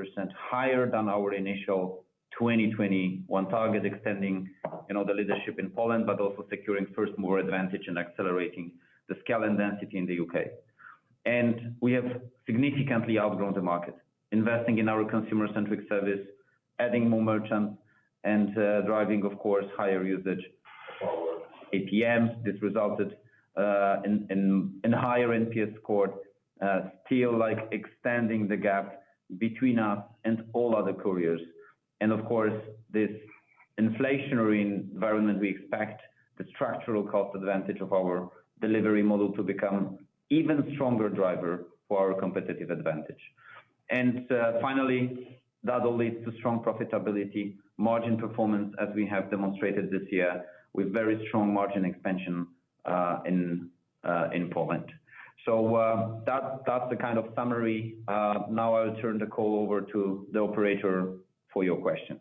higher than our initial 2021 target, extending, you know, the leadership in Poland, but also securing first mover advantage and accelerating the scale and density in the U.K. We have significantly outgrown the market, investing in our consumer-centric service, adding more merchants and driving of course higher usage of our APMs. This resulted in higher NPS score, still like expanding the gap between us and all other couriers. Of course, this inflationary environment, we expect the structural cost advantage of our delivery model to become even stronger driver for our competitive advantage. Finally, that will lead to strong profitability, margin performance as we have demonstrated this year with very strong margin expansion in Poland. That's the kind of summary. Now I'll turn the call over to the operator for your questions.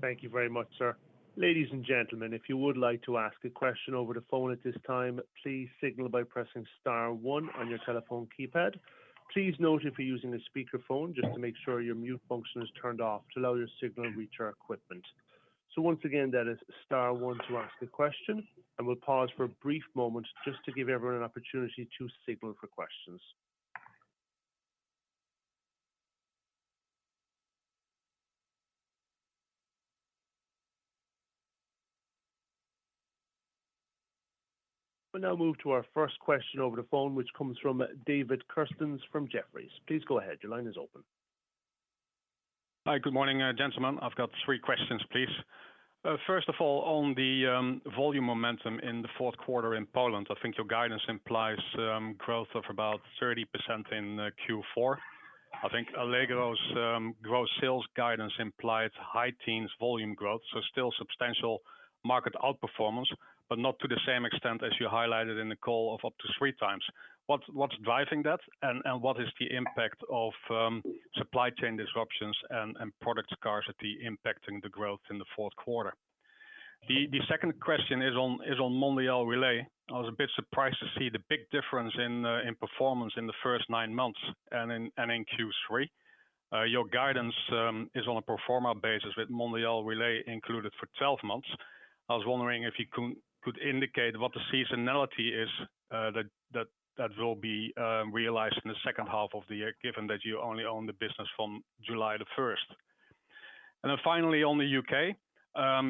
Thank you very much, sir. Ladies and gentlemen, if you would like to ask a question over the phone at this time, please signal by pressing star one on your telephone keypad. Please note if you're using a speakerphone, just to make sure your mute function is turned off to allow your signal to reach our equipment. Once again, that is star one to ask a question, and we'll pause for a brief moment just to give everyone an opportunity to signal for questions. We'll now move to our first question over the phone, which comes from David Kerstens from Jefferies. Please go ahead. Your line is open. Hi. Good morning, gentlemen. I've got three questions, please. First of all, on the volume momentum in the fourth quarter in Poland, I think your guidance implies growth of about 30% in Q4. I think Allegro's growth sales guidance implies high teens volume growth, so still substantial market outperformance, but not to the same extent as you highlighted in the call of up to three times. What's driving that? And what is the impact of supply chain disruptions and product scarcity impacting the growth in the fourth quarter? The second question is on Mondial Relay. I was a bit surprised to see the big difference in performance in the first nine months and in Q3. Your guidance is on a pro forma basis with Mondial Relay included for 12 months. I was wondering if you could indicate what the seasonality is that will be realized in the second half of the year, given that you only own the business from July 1st. Then finally on the U.K.,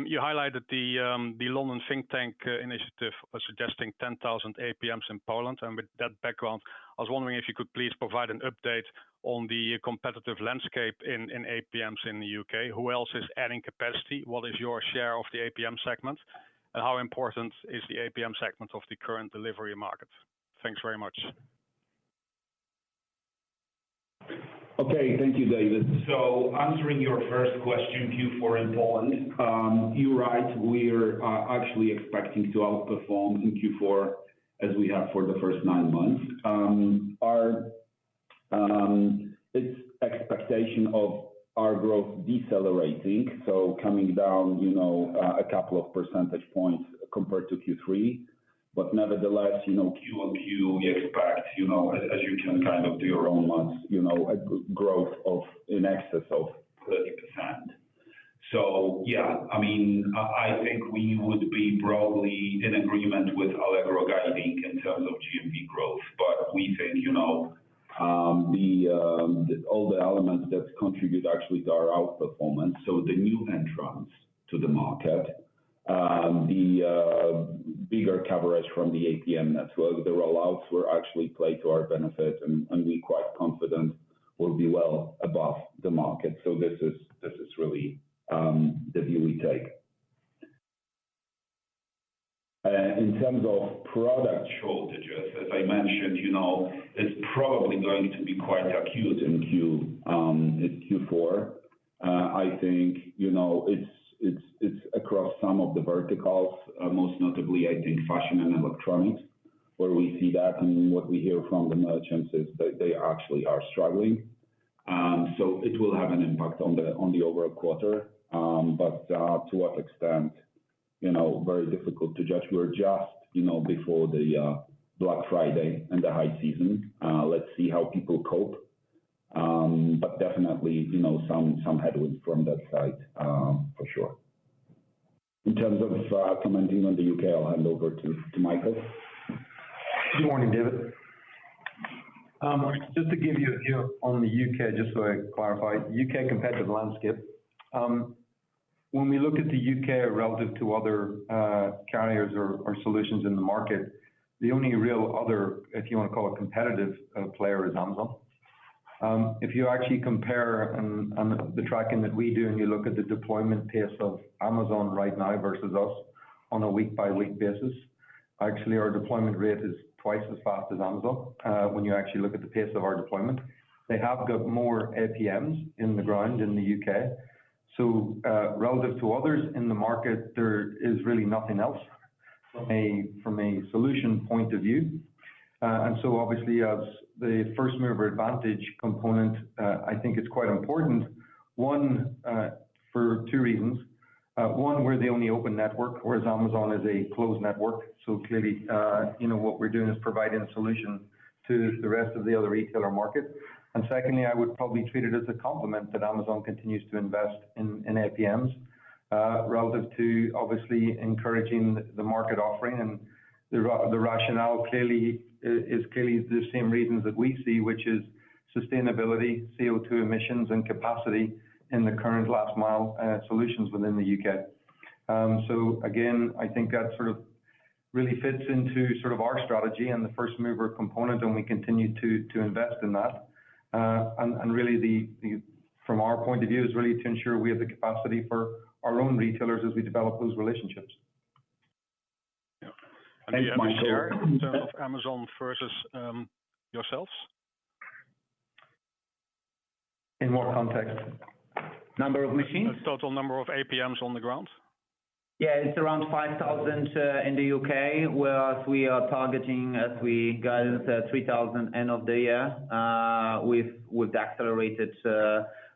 you highlighted the London think tank initiative suggesting 10,000 APMs in Poland. With that background, I was wondering if you could please provide an update on the competitive landscape in APMs in the U.K. Who else is adding capacity? What is your share of the APM segment? And how important is the APM segment of the current delivery market? Thanks very much. Okay. Thank you, David. Answering your first question, Q4 in Poland, you're right, we're actually expecting to outperform in Q4 as we have for the first nine months. Our expectation of our growth decelerating, so coming down, you know, a couple of percentage points compared to Q3. Nevertheless, you know, Q over Q, we expect, you know, as you can kind of do your own math, you know, a growth of in excess of 30%. Yeah, I mean, I think we would be probably in agreement with Allegro guiding in terms of GMV growth. We think, you know, the all the elements that contribute actually to our outperformance, so the new entrants to the market, the bigger coverage from the APM network, the roll-outs will actually play to our benefit and we're quite confident we'll be well above the market. This is, this is really, the view we take. In terms of product shortages, as I mentioned, you know, it's probably going to be quite acute in Q, in Q4. I think, you know, it's across some of the verticals, most notably I think fashion and electronics, where we see that and what we hear from the merchants is they actually are struggling. So it will have an impact on the overall quarter. To what extent, you know, very difficult to judge. We're just, you know, before the Black Friday and the high season. Let's see how people cope. Definitely, you know, some headwinds from that side, for sure. In terms of commenting on the U.K., I'll hand over to Michael. Good morning, David. Just to give you a view on the U.K., just so I clarify, U.K. competitive landscape. When we look at the U.K. relative to other carriers or solutions in the market, the only real other, if you wanna call it competitive, player is Amazon. If you actually compare on the tracking that we do and you look at the deployment pace of Amazon right now versus us on a week-by-week basis, actually our deployment rate is twice as fast as Amazon, when you actually look at the pace of our deployment. They have got more APMs in the ground in the U.K. Relative to others in the market, there is really nothing else from a solution point of view. Obviously as the first-mover advantage component, I think it's quite important, one, for two reasons. One, we're the only open network, whereas Amazon is a closed network, so clearly, you know, what we're doing is providing a solution to the rest of the other retailer market. Secondly, I would probably treat it as a compliment that Amazon continues to invest in APMs relative to obviously encouraging the market offering. The rationale clearly is the same reasons that we see, which is sustainability, CO2 emissions, and capacity in the current last mile solutions within the U.K. I think that sort of really fits into sort of our strategy and the first-mover component, and we continue to invest in that. From our point of view is really to ensure we have the capacity for our own retailers as we develop those relationships. Yeah. Thanks, Michael. Do you have a share in terms of Amazon versus yourselves? In more context. Number of machines? Total number of APMs on the ground. Yeah, it's around 5,000 in the U.K., whereas we are targeting as we guided 3,000 end of the year with accelerated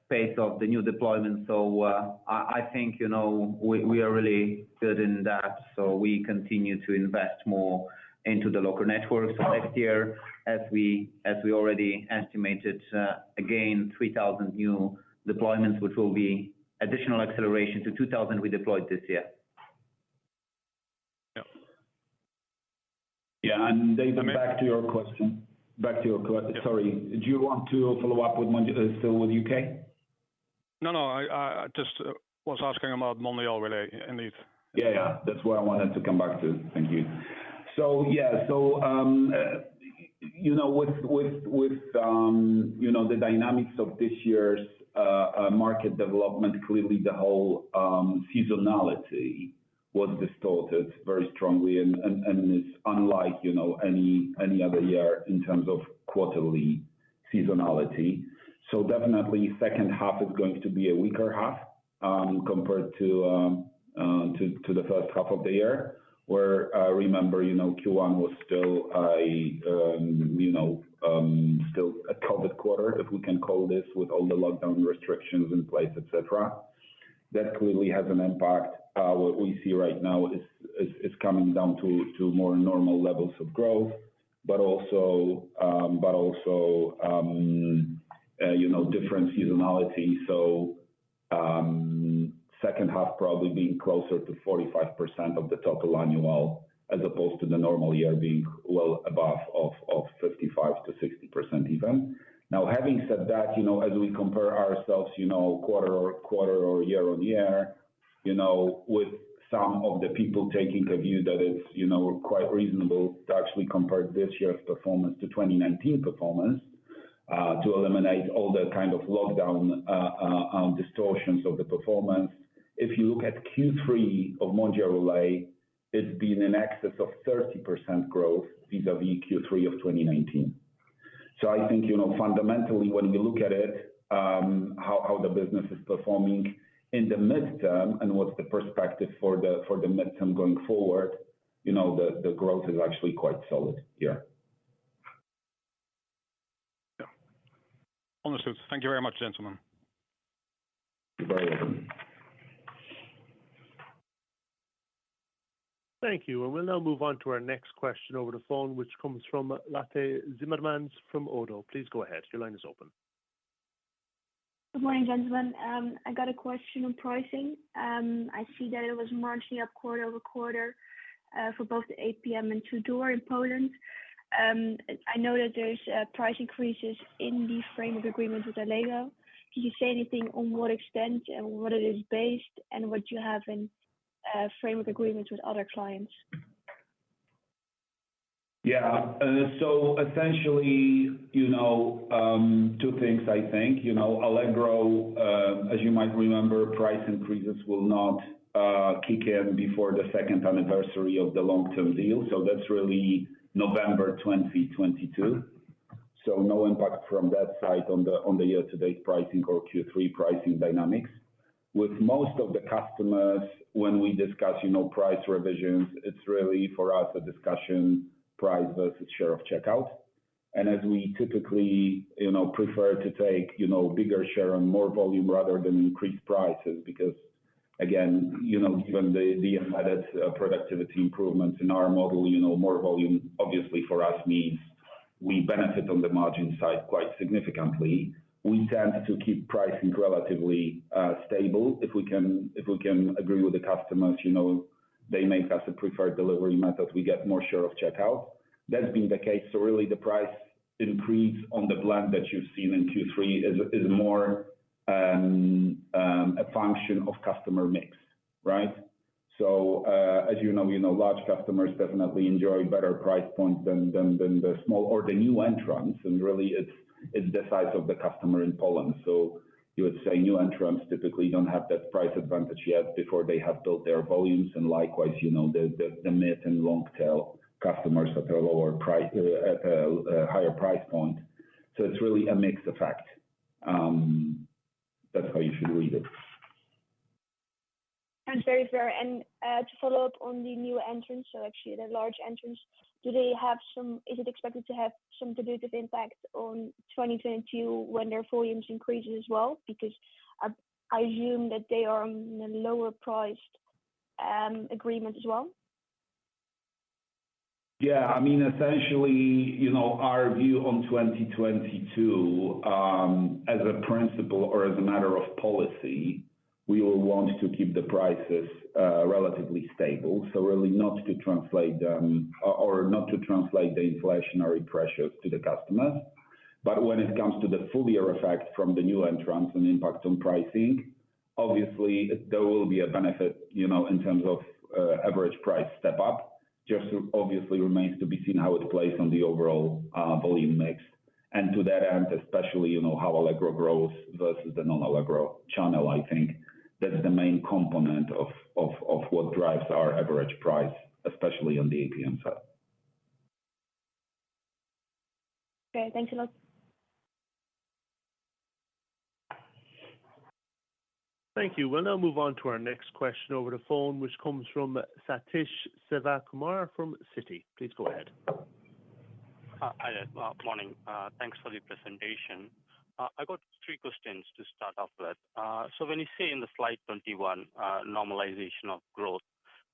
pace of the new deployment. I think, you know, we are really good in that. We continue to invest more into the local networks next year as we already estimated again 3,000 new deployments, which will be additional acceleration to 2,000 we deployed this year. Yeah. Yeah. David, back to your question. Sorry, do you want to follow up still with U.K.? No, I just was asking about Mondial Relay indeed. Yeah. That's where I wanted to come back to. Thank you. Yeah. With you know the dynamics of this year's market development, clearly the whole seasonality was distorted very strongly and it's unlike you know any other year in terms of quarterly seasonality. Definitely second half is going to be a weaker half compared to the first half of the year where remember you know Q1 was still a COVID quarter, if we can call this, with all the lockdown restrictions in place, et cetera. That clearly has an impact. What we see right now is coming down to more normal levels of growth, but also you know different seasonality. Second half probably being closer to 45% of the total annual, as opposed to the normal year being well above 55%-60% even. Now, having said that, you know, as we compare ourselves, you know, quarter-over-quarter or year-on-year, you know, with some of the people taking a view that it's, you know, quite reasonable to actually compare this year's performance to 2019 performance, to eliminate all the kind of lockdown distortions of the performance. If you look at Q3 of Mondial Relay, it's been in excess of 30% growth vis-a-vis Q3 of 2019. I think, you know, fundamentally, when you look at it, how the business is performing in the midterm and what's the perspective for the midterm going forward, you know, the growth is actually quite solid here. Yeah. Understood. Thank you very much, gentlemen. You're very welcome. Thank you. We'll now move on to our next question over the phone, which comes from Lotte Timmermans from ODDO. Please go ahead. Your line is open. Good morning, gentlemen. I got a question on pricing. I see that it was marginally up quarter-over-quarter for both APM and to-door in Poland. I know that there's price increases in the framework agreement with Allegro. Can you say anything on to what extent and what it is based and what you have in framework agreements with other clients? Essentially, you know, two things I think. You know, Allegro, as you might remember, price increases will not kick in before the second anniversary of the long-term deal. That's really November 2022. No impact from that side on the year to date pricing or Q3 pricing dynamics. With most of the customers, when we discuss, you know, price revisions, it's really for us a discussion price versus share of checkout. As we typically, you know, prefer to take, you know, bigger share on more volume rather than increase prices, because again, you know, given the embedded productivity improvements in our model, you know, more volume obviously for us means we benefit on the margin side quite significantly. We tend to keep pricing relatively stable. If we can agree with the customers, you know, they make us a preferred delivery method, we get more share of checkout. That's been the case. Really the price increase on the blend that you've seen in Q3 is more a function of customer mix, right? As you know, large customers definitely enjoy better price points than the small or the new entrants, and really it's the size of the customer in Poland. You would say new entrants typically don't have that price advantage yet before they have built their volumes. Likewise, you know, the mid and long tail customers that are lower price at higher price point. It's really a mix effect. That's how you should read it. That's very fair. To follow up on the new entrants, actually the large entrants, is it expected to have some dilutive impact on 2022 when their volumes increase as well? Because I assume that they are on a lower-priced agreement as well. Yeah. I mean, essentially, you know, our view on 2022, as a principle or as a matter of policy, we will want to keep the prices relatively stable. Really not to translate them or not to translate the inflationary pressures to the customers. When it comes to the full year effect from the new entrants and impact on pricing, obviously there will be a benefit, you know, in terms of average price step up. Just obviously remains to be seen how it plays on the overall volume mix. To that end, especially, you know, how Allegro grows versus the non-Allegro channel, I think that's the main component of what drives our average price, especially on the APM side. Okay, thanks a lot. Thank you. We'll now move on to our next question over the phone, which comes from Sathish Sivakumar from Citi. Please go ahead. Hi there. Morning. Thanks for the presentation. I've got three questions to start off with. When you say in the slide 21, normalization of growth,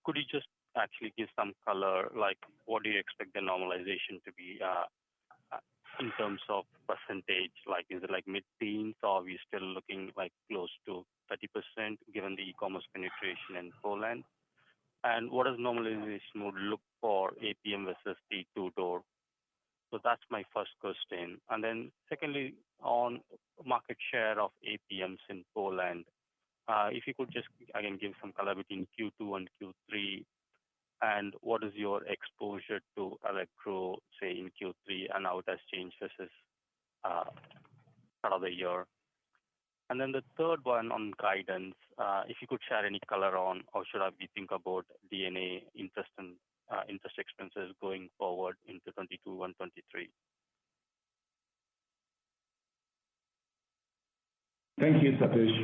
could you just actually give some color, like what do you expect the normalization to be, in terms of percentage? Like, is it like mid-teens or are we still looking like close to 30% given the e-commerce penetration in Poland? And what would normalization look like for APM versus to-door? That's my first question. Secondly, on market share of APMs in Poland, if you could just again give some color between Q2 and Q3 and what is your exposure to Allegro, say, in Q3 and how it has changed versus start of the year. The third one on guidance, if you could share any color on how I should be thinking about D&A interest and interest expenses going forward into 2022 and 2023. Thank you, Sathish.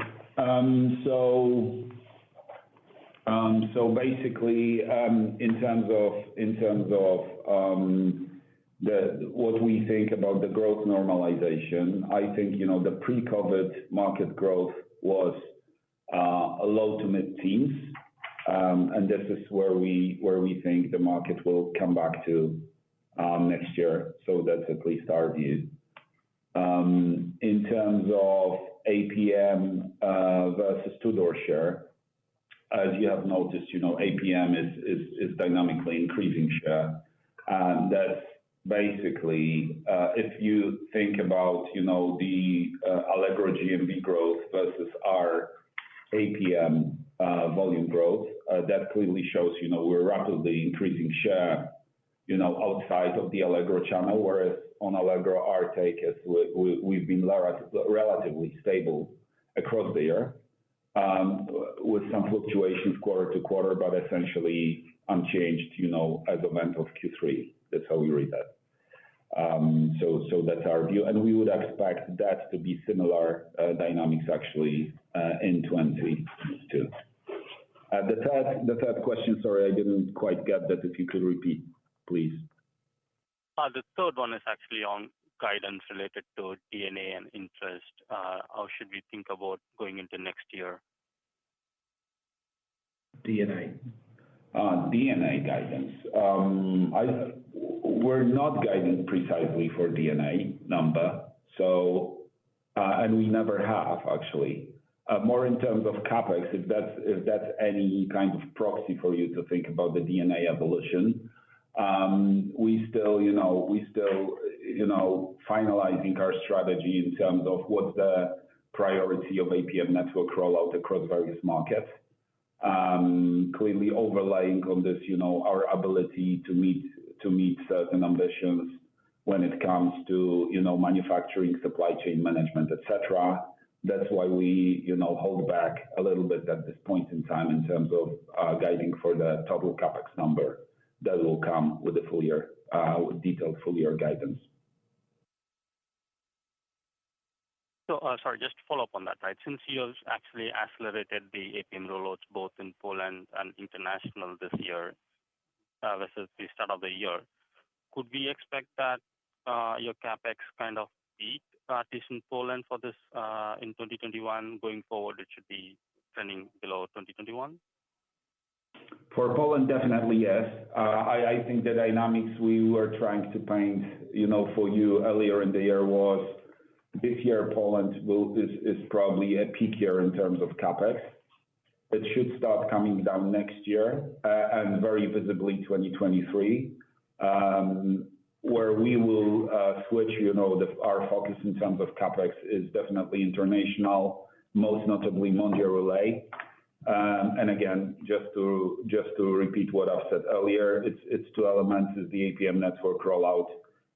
Basically, in terms of what we think about the growth normalization, I think you know the pre-COVID market growth was low- to mid-teens. This is where we think the market will come back to next year. That's at least our view. In terms of APM versus to-door share, as you have noticed, you know, APM is dynamically increasing share. That's basically, if you think about, you know, the Allegro GMV growth versus our APM volume growth, that clearly shows, you know, we're rapidly increasing share, you know, outside of the Allegro channel. Whereas on Allegro, our take is we've been relatively stable across the year, with some fluctuations quarter to quarter, but essentially unchanged, you know, as at end of Q3. That's how we read that. So that's our view. We would expect that to be similar dynamics actually in 2022. The third question, sorry, I didn't quite get that, if you could repeat, please. The third one is actually on guidance related to D&A and interest. How should we think about going into next year? D&A? D&A guidance. We're not guiding precisely for D&A number, so, and we never have actually. More in terms of CapEx, if that's any kind of proxy for you to think about the D&A evolution. We still, you know, finalizing our strategy in terms of what the priority of APM network rollout across various markets. Clearly overlying on this, you know, our ability to meet certain ambitions when it comes to, you know, manufacturing, supply chain management, et cetera. That's why we, you know, hold back a little bit at this point in time in terms of guiding for the total CapEx number. That will come with the full year detailed full year guidance. Sorry, just to follow up on that. Right, since you've actually accelerated the APM rollouts both in Poland and international this year, versus the start of the year, could we expect that your CapEx kind of peaks in Poland in 2021 going forward, it should be trending below 2021? For Poland, definitely yes. I think the dynamics we were trying to paint, you know, for you earlier in the year was this year Poland is probably a peak year in terms of CapEx. It should start coming down next year, and very visibly 2023. Where we will switch our focus in terms of CapEx is definitely international, most notably Mondial Relay. And again, just to repeat what I've said earlier, it's two elements, the APM network rollout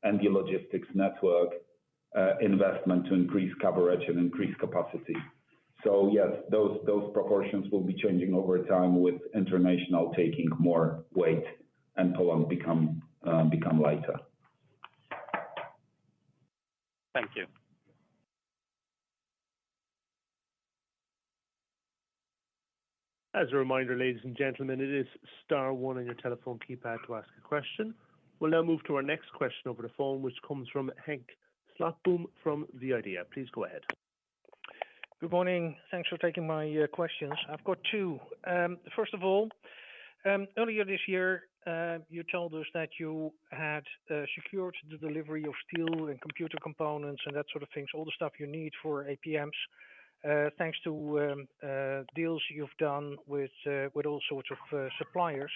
and the logistics network investment to increase coverage and increase capacity. Yes, those proportions will be changing over time with international taking more weight and Poland become lighter. Thank you. As a reminder, ladies and gentlemen, it is star one on your telephone keypad to ask a question. We'll now move to our next question over the phone, which comes from Henk Slotboom from the IDEA! Please go ahead. Good morning. Thanks for taking my questions. I've got two. First of all, earlier this year, you told us that you had secured the delivery of steel and computer components and that sort of things, all the stuff you need for APMs, thanks to deals you've done with all sorts of suppliers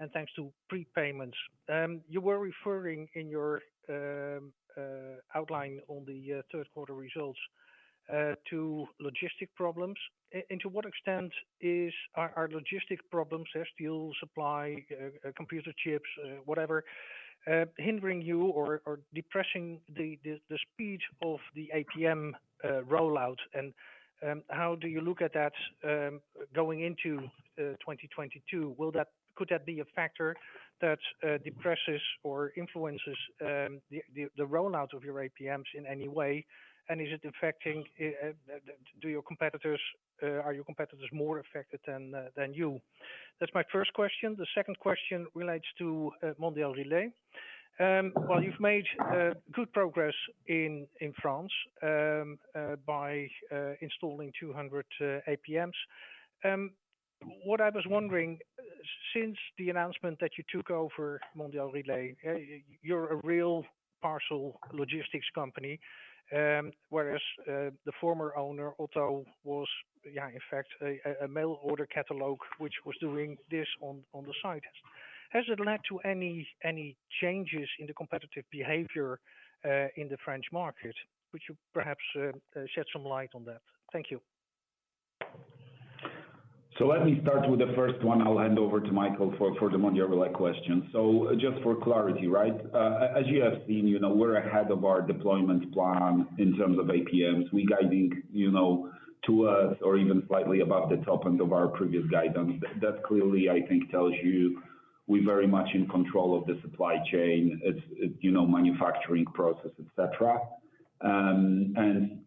and thanks to prepayments. You were referring in your outline on the third quarter results to logistics problems and to what extent are logistics problems, steel supply, computer chips, whatever, hindering you or depressing the speed of the APM rollout. How do you look at that, going into 2022? Will that... Could that be a factor that depresses or influences the rollout of your APMs in any way? Is it affecting your competitors? Are your competitors more affected than you? That's my first question. The second question relates to Mondial Relay. While you've made good progress in France by installing 200 APMs, what I was wondering since the announcement that you took over Mondial Relay, you're a real parcel logistics company, whereas the former owner, Otto, was, yeah, in fact, a mail order catalog which was doing this on the side. Has it led to any changes in the competitive behavior in the French market? Would you perhaps shed some light on that? Thank you. Let me start with the first one. I'll hand over to Michael for the Mondial Relay question. Just for clarity, right? As you have seen, you know, we're ahead of our deployment plan in terms of APMs. We're guiding, you know, to us or even slightly above the top end of our previous guidance. That clearly, I think, tells you we're very much in control of the supply chain, its you know, manufacturing process, et cetera.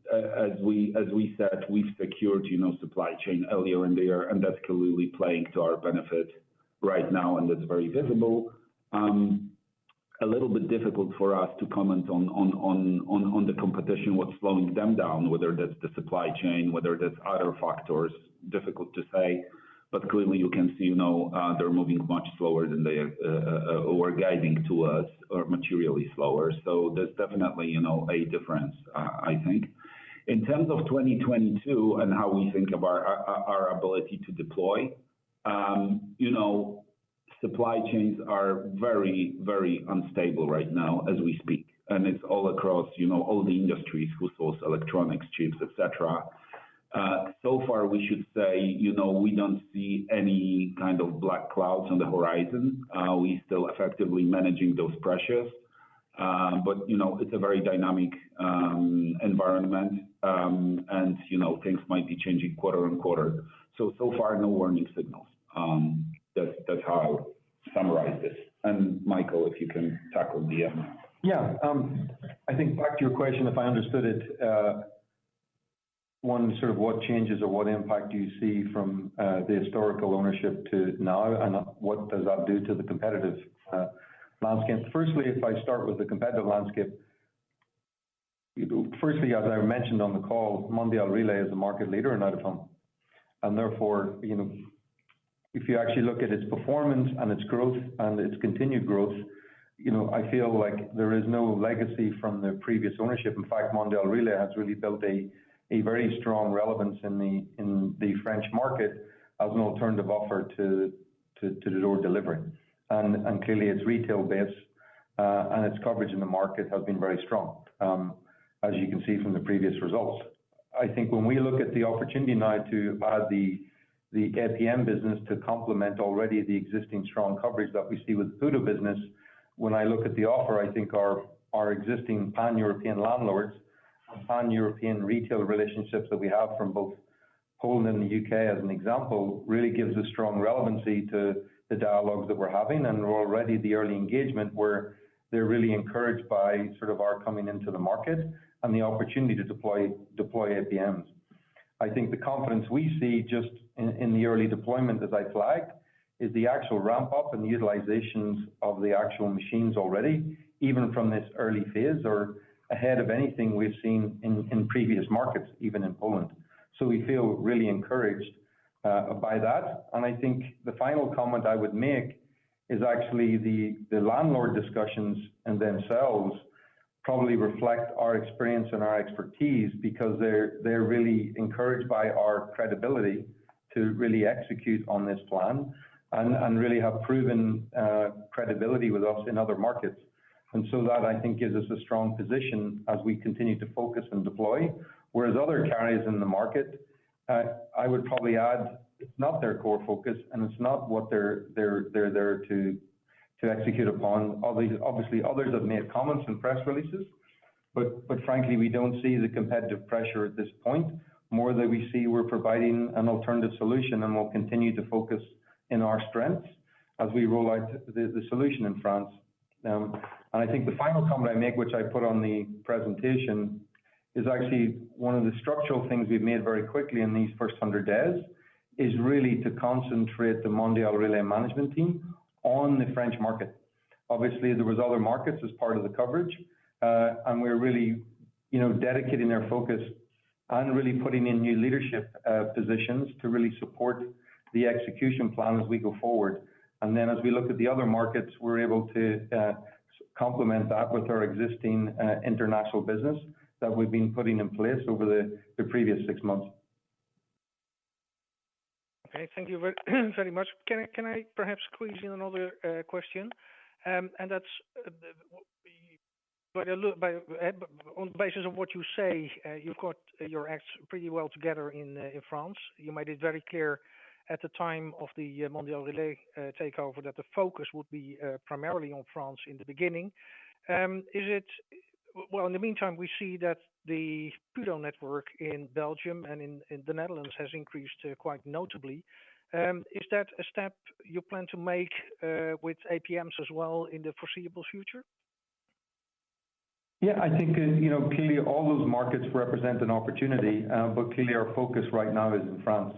As we said, we've secured, you know, supply chain earlier in the year, and that's clearly playing to our benefit right now, and that's very visible. A little bit difficult for us to comment on the competition, what's slowing them down, whether that's the supply chain, whether that's other factors. Difficult to say. Clearly you can see, you know, they're moving much slower than they are or guiding to us or materially slower. There's definitely, you know, a difference, I think. In terms of 2022 and how we think of our ability to deploy, you know, supply chains are very, very unstable right now as we speak, and it's all across, you know, all the industries, food sourcing, electronics, chips, et cetera. So far we should say, you know, we don't see any kind of black clouds on the horizon. We still effectively managing those pressures. You know, it's a very dynamic environment. You know, things might be changing quarter to quarter. So far, no warning signals. That's how I'll summarize this. Michael, if you can tackle the. Yeah. I think back to your question, if I understood it, one sort of what changes or what impact do you see from the historical ownership to now and what does that do to the competitive landscape? Firstly, if I start with the competitive landscape, firstly, as I mentioned on the call, Mondial Relay is a market leader in out of home. And therefore, you know, if you actually look at its performance and its growth and its continued growth, you know, I feel like there is no legacy from the previous ownership. In fact, Mondial Relay has really built a very strong relevance in the French market as an alternative offer to to-door delivery. And clearly its retail base and its coverage in the market has been very strong, as you can see from the previous results. I think when we look at the opportunity now to add the APM business to complement already the existing strong coverage that we see with the PUDO business. When I look at the offer, I think our existing pan-European landlords and pan-European retail relationships that we have from both Poland and the U.K. as an example really gives a strong relevancy to the dialogues that we're having and already the early engagement where they're really encouraged by sort of our coming into the market and the opportunity to deploy APMs. I think the confidence we see just in the early deployment, as I flagged, is the actual ramp up and utilizations of the actual machines already, even from this early phase or ahead of anything we've seen in previous markets, even in Poland. We feel really encouraged by that. I think the final comment I would make is actually the landlord discussions in themselves probably reflect our experience and our expertise because they're really encouraged by our credibility to really execute on this plan and really have proven credibility with us in other markets. That I think gives us a strong position as we continue to focus and deploy. Whereas other carriers in the market, I would probably add it's not their core focus, and it's not what they're there to execute upon. Obviously, others have made comments in press releases, but frankly, we don't see the competitive pressure at this point. More that we see we're providing an alternative solution, and we'll continue to focus in our strengths as we roll out the solution in France. I think the final comment I make, which I put on the presentation, is actually one of the structural things we've made very quickly in these first 100 days, is really to concentrate the Mondial Relay management team on the French market. Obviously, there was other markets as part of the coverage, and we're really, you know, dedicating our focus and really putting in new leadership positions to really support the execution plan as we go forward. As we look at the other markets, we're able to complement that with our existing international business that we've been putting in place over the previous six months. Okay. Thank you very much. Can I perhaps squeeze in another question? But on the basis of what you say, you've got your act pretty well together in France. You made it very clear at the time of the Mondial Relay takeover that the focus would be primarily on France in the beginning. Well, in the meantime we see that the PUDO network in Belgium and the Netherlands has increased quite notably. Is that a step you plan to make with APMs as well in the foreseeable future? Yeah, I think, you know, clearly all those markets represent an opportunity, but clearly our focus right now is in France.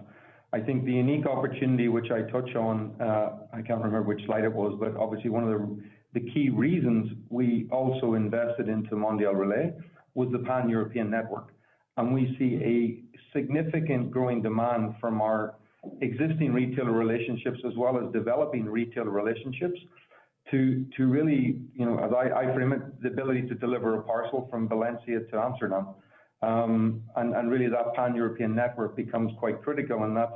I think the unique opportunity which I touch on, I can't remember which slide it was, but obviously one of the key reasons we also invested into Mondial Relay was the pan-European network. We see a significant growing demand from our existing retailer relationships as well as developing retailer relationships to really, you know, as I frame it, the ability to deliver a parcel from Valencia to Amsterdam. Really that pan-European network becomes quite critical, and that's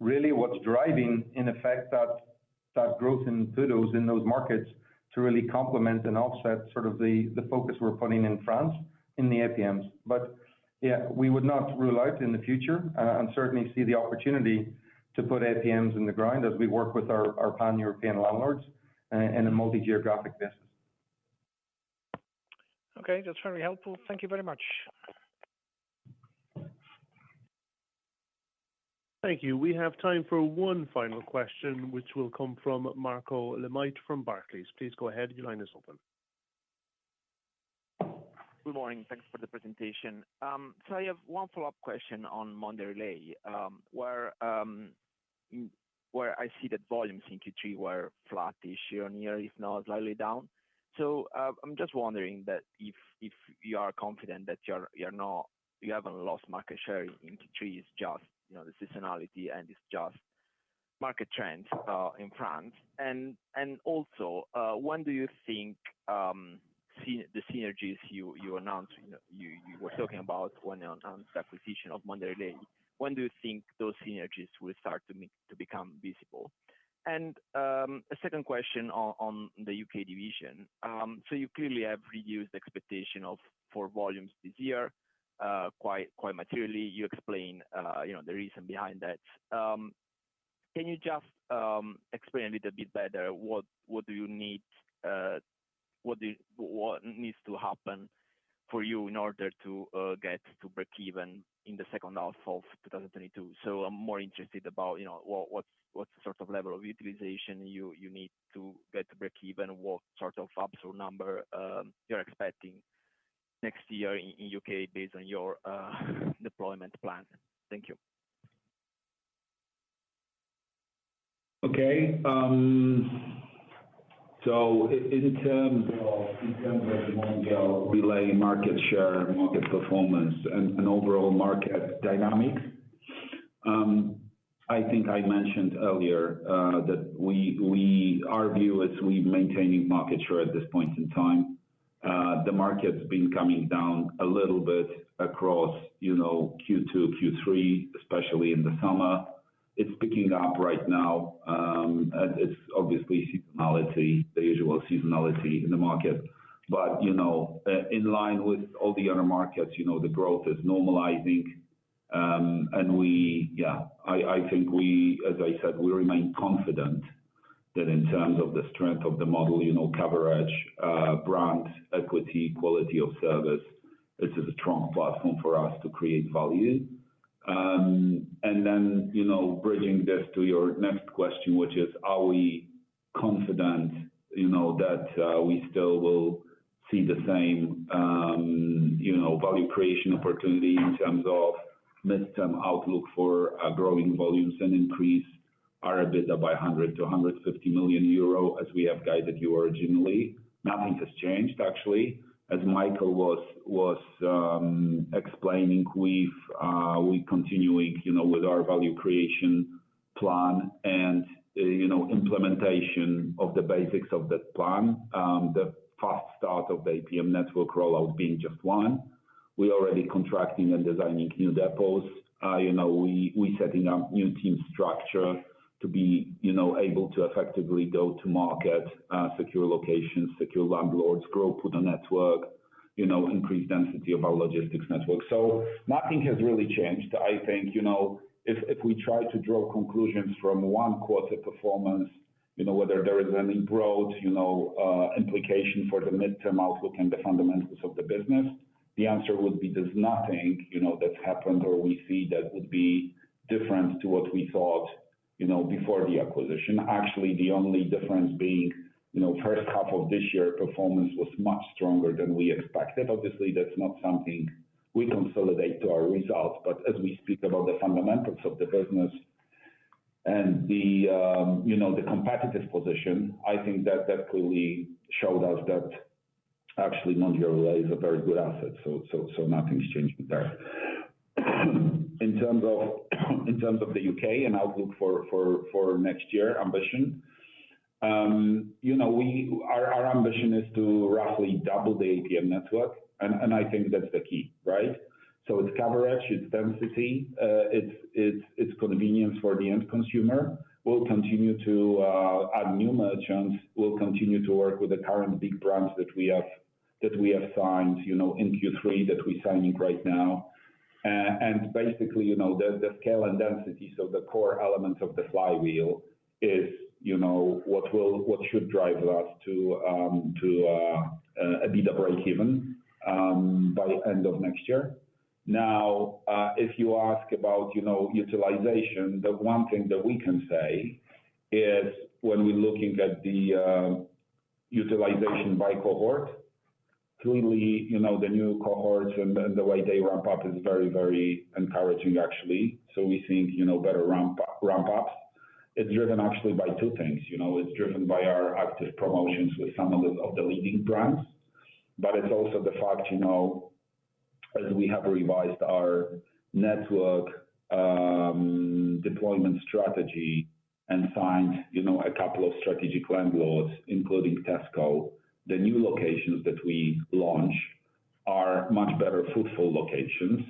really what's driving in effect that growth in PUDOs in those markets to really complement and offset sort of the focus we're putting in France in the APMs. Yeah, we would not rule out in the future and certainly see the opportunity to put APMs in the ground as we work with our pan-European landlords in a multigeographic basis. Okay, that's very helpful. Thank you very much. Thank you. We have time for one final question, which will come from Marco Limite from Barclays. Please go ahead. Your line is open. Good morning. Thanks for the presentation. I have one follow-up question on Mondial Relay. Where I see that volumes in Q3 were flat-ish or nearly if not slightly down. I'm just wondering if you are confident that you haven't lost market share in Q3. It's just, you know, the seasonality and it's just market trend in France. Also, when do you think the synergies you announced, you know, you were talking about when you announced the acquisition of Mondial Relay, those synergies will start to become visible? A second question on the U.K. division. You clearly have revised expectation for volumes this year quite materially. You explained, you know, the reason behind that. Can you just explain a little bit better what you need, what needs to happen for you in order to get to breakeven in the second half of 2022? So I'm more interested about, you know, what's the sort of level of utilization you need to get to breakeven? What sort of absolute number you're expecting next year in U.K. based on your deployment plan? Thank you. In terms of Mondial Relay market share, market performance and overall market dynamics, I think I mentioned earlier that our view is we're maintaining market share at this point in time. The market's been coming down a little bit across, you know, Q2, Q3, especially in the summer. It's picking up right now, and it's obviously seasonality, the usual seasonality in the market. You know, in line with all the other markets, you know, the growth is normalizing. I think we, as I said, we remain confident that in terms of the strength of the model, you know, coverage, brand equity, quality of service, this is a strong platform for us to create value. Bringing this to your next question, which is, are we confident, you know, that we still will see the same, you know, value creation opportunity in terms of midterm outlook for growing volumes and increase our EBITDA by 100 million-150 million euro as we have guided you originally? Nothing has changed actually. As Michael was explaining, we're continuing, you know, with our value creation plan and, you know, implementation of the basics of that plan, the fast start of the APM network rollout being just one. We're already contracting and designing new depots. We're setting up new team structure to be, you know, able to effectively go to market, secure locations, secure landlords, grow, put a network, you know, increase density of our logistics network. Nothing has really changed. I think, you know, if we try to draw conclusions from one quarter performance, you know, whether there is any broad, you know, implication for the mid-term outlook and the fundamentals of the business, the answer would be there's nothing, you know, that's happened or we see that would be different to what we thought, you know, before the acquisition. Actually, the only difference being, you know, first half of this year, performance was much stronger than we expected. Obviously, that's not something we consolidate to our results, but as we speak about the fundamentals of the business and the, you know, the competitive position, I think that clearly showed us that actually Mondial Relay is a very good asset. Nothing's changed there. In terms of the U.K. and outlook for next year ambition, you know, our ambition is to roughly double the APM network. I think that's the key, right? It's coverage, it's density, it's convenience for the end consumer. We'll continue to add new merchants. We'll continue to work with the current big brands that we have signed, you know, in Q3, that we're signing right now. Basically, you know, the scale and density. The core elements of the flywheel is, you know, what should drive us to be the breakeven by end of next year. Now, if you ask about, you know, utilization, the one thing that we can say is when we're looking at the utilization by cohort, clearly, you know, the new cohorts and the way they ramp up is very, very encouraging actually. We think, you know, better ramp up. It's driven actually by two things, you know. It's driven by our active promotions with some of the leading brands. But it's also the fact, you know, as we have revised our network deployment strategy and signed, you know, a couple of strategic landlords, including Tesco, the new locations that we launch are much better fruitful locations.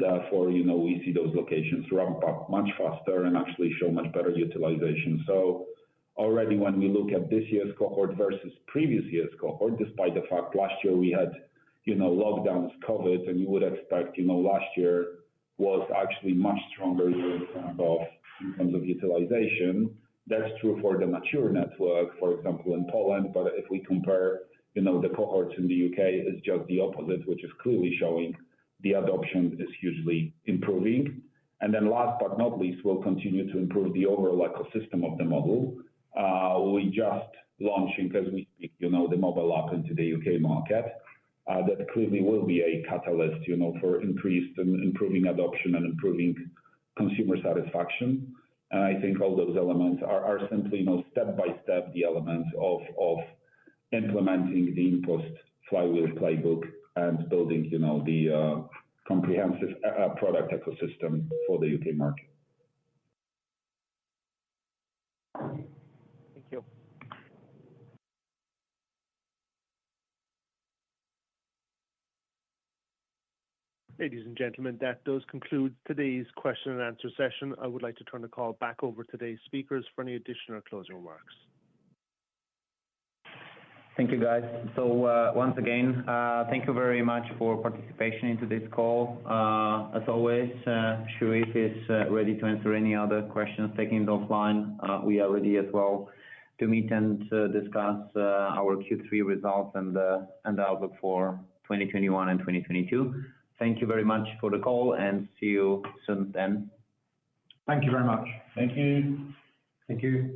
Therefore, you know, we see those locations ramp up much faster and actually show much better utilization. Already when we look at this year's cohort versus previous year's cohort, despite the fact last year we had, you know, lockdowns, COVID, and you would expect, you know, last year was actually much stronger year in terms of utilization. That's true for the mature network, for example, in Poland. If we compare, you know, the cohorts in the U.K., it's just the opposite, which is clearly showing the adoption is hugely improving. Then last but not least, we'll continue to improve the overall ecosystem of the model. We just launching, as we speak, you know, the mobile app into the U.K. market, that clearly will be a catalyst, you know, for increased and improving adoption and improving consumer satisfaction. I think all those elements are simply, you know, step-by-step the elements of implementing the InPost flywheel playbook and building, you know, the comprehensive product ecosystem for the U.K. market. Thank you. Ladies and gentlemen, that does conclude today's question and answer session. I would like to turn the call back over to today's speakers for any additional closing remarks. Thank you, guys. Once again, thank you very much for participation into this call. As always, Sherief is ready to answer any other questions, taking those offline. We are ready as well to meet and discuss our Q3 results and the outlook for 2021 and 2022. Thank you very much for the call and see you soon then. Thank you very much. Thank you. Thank you.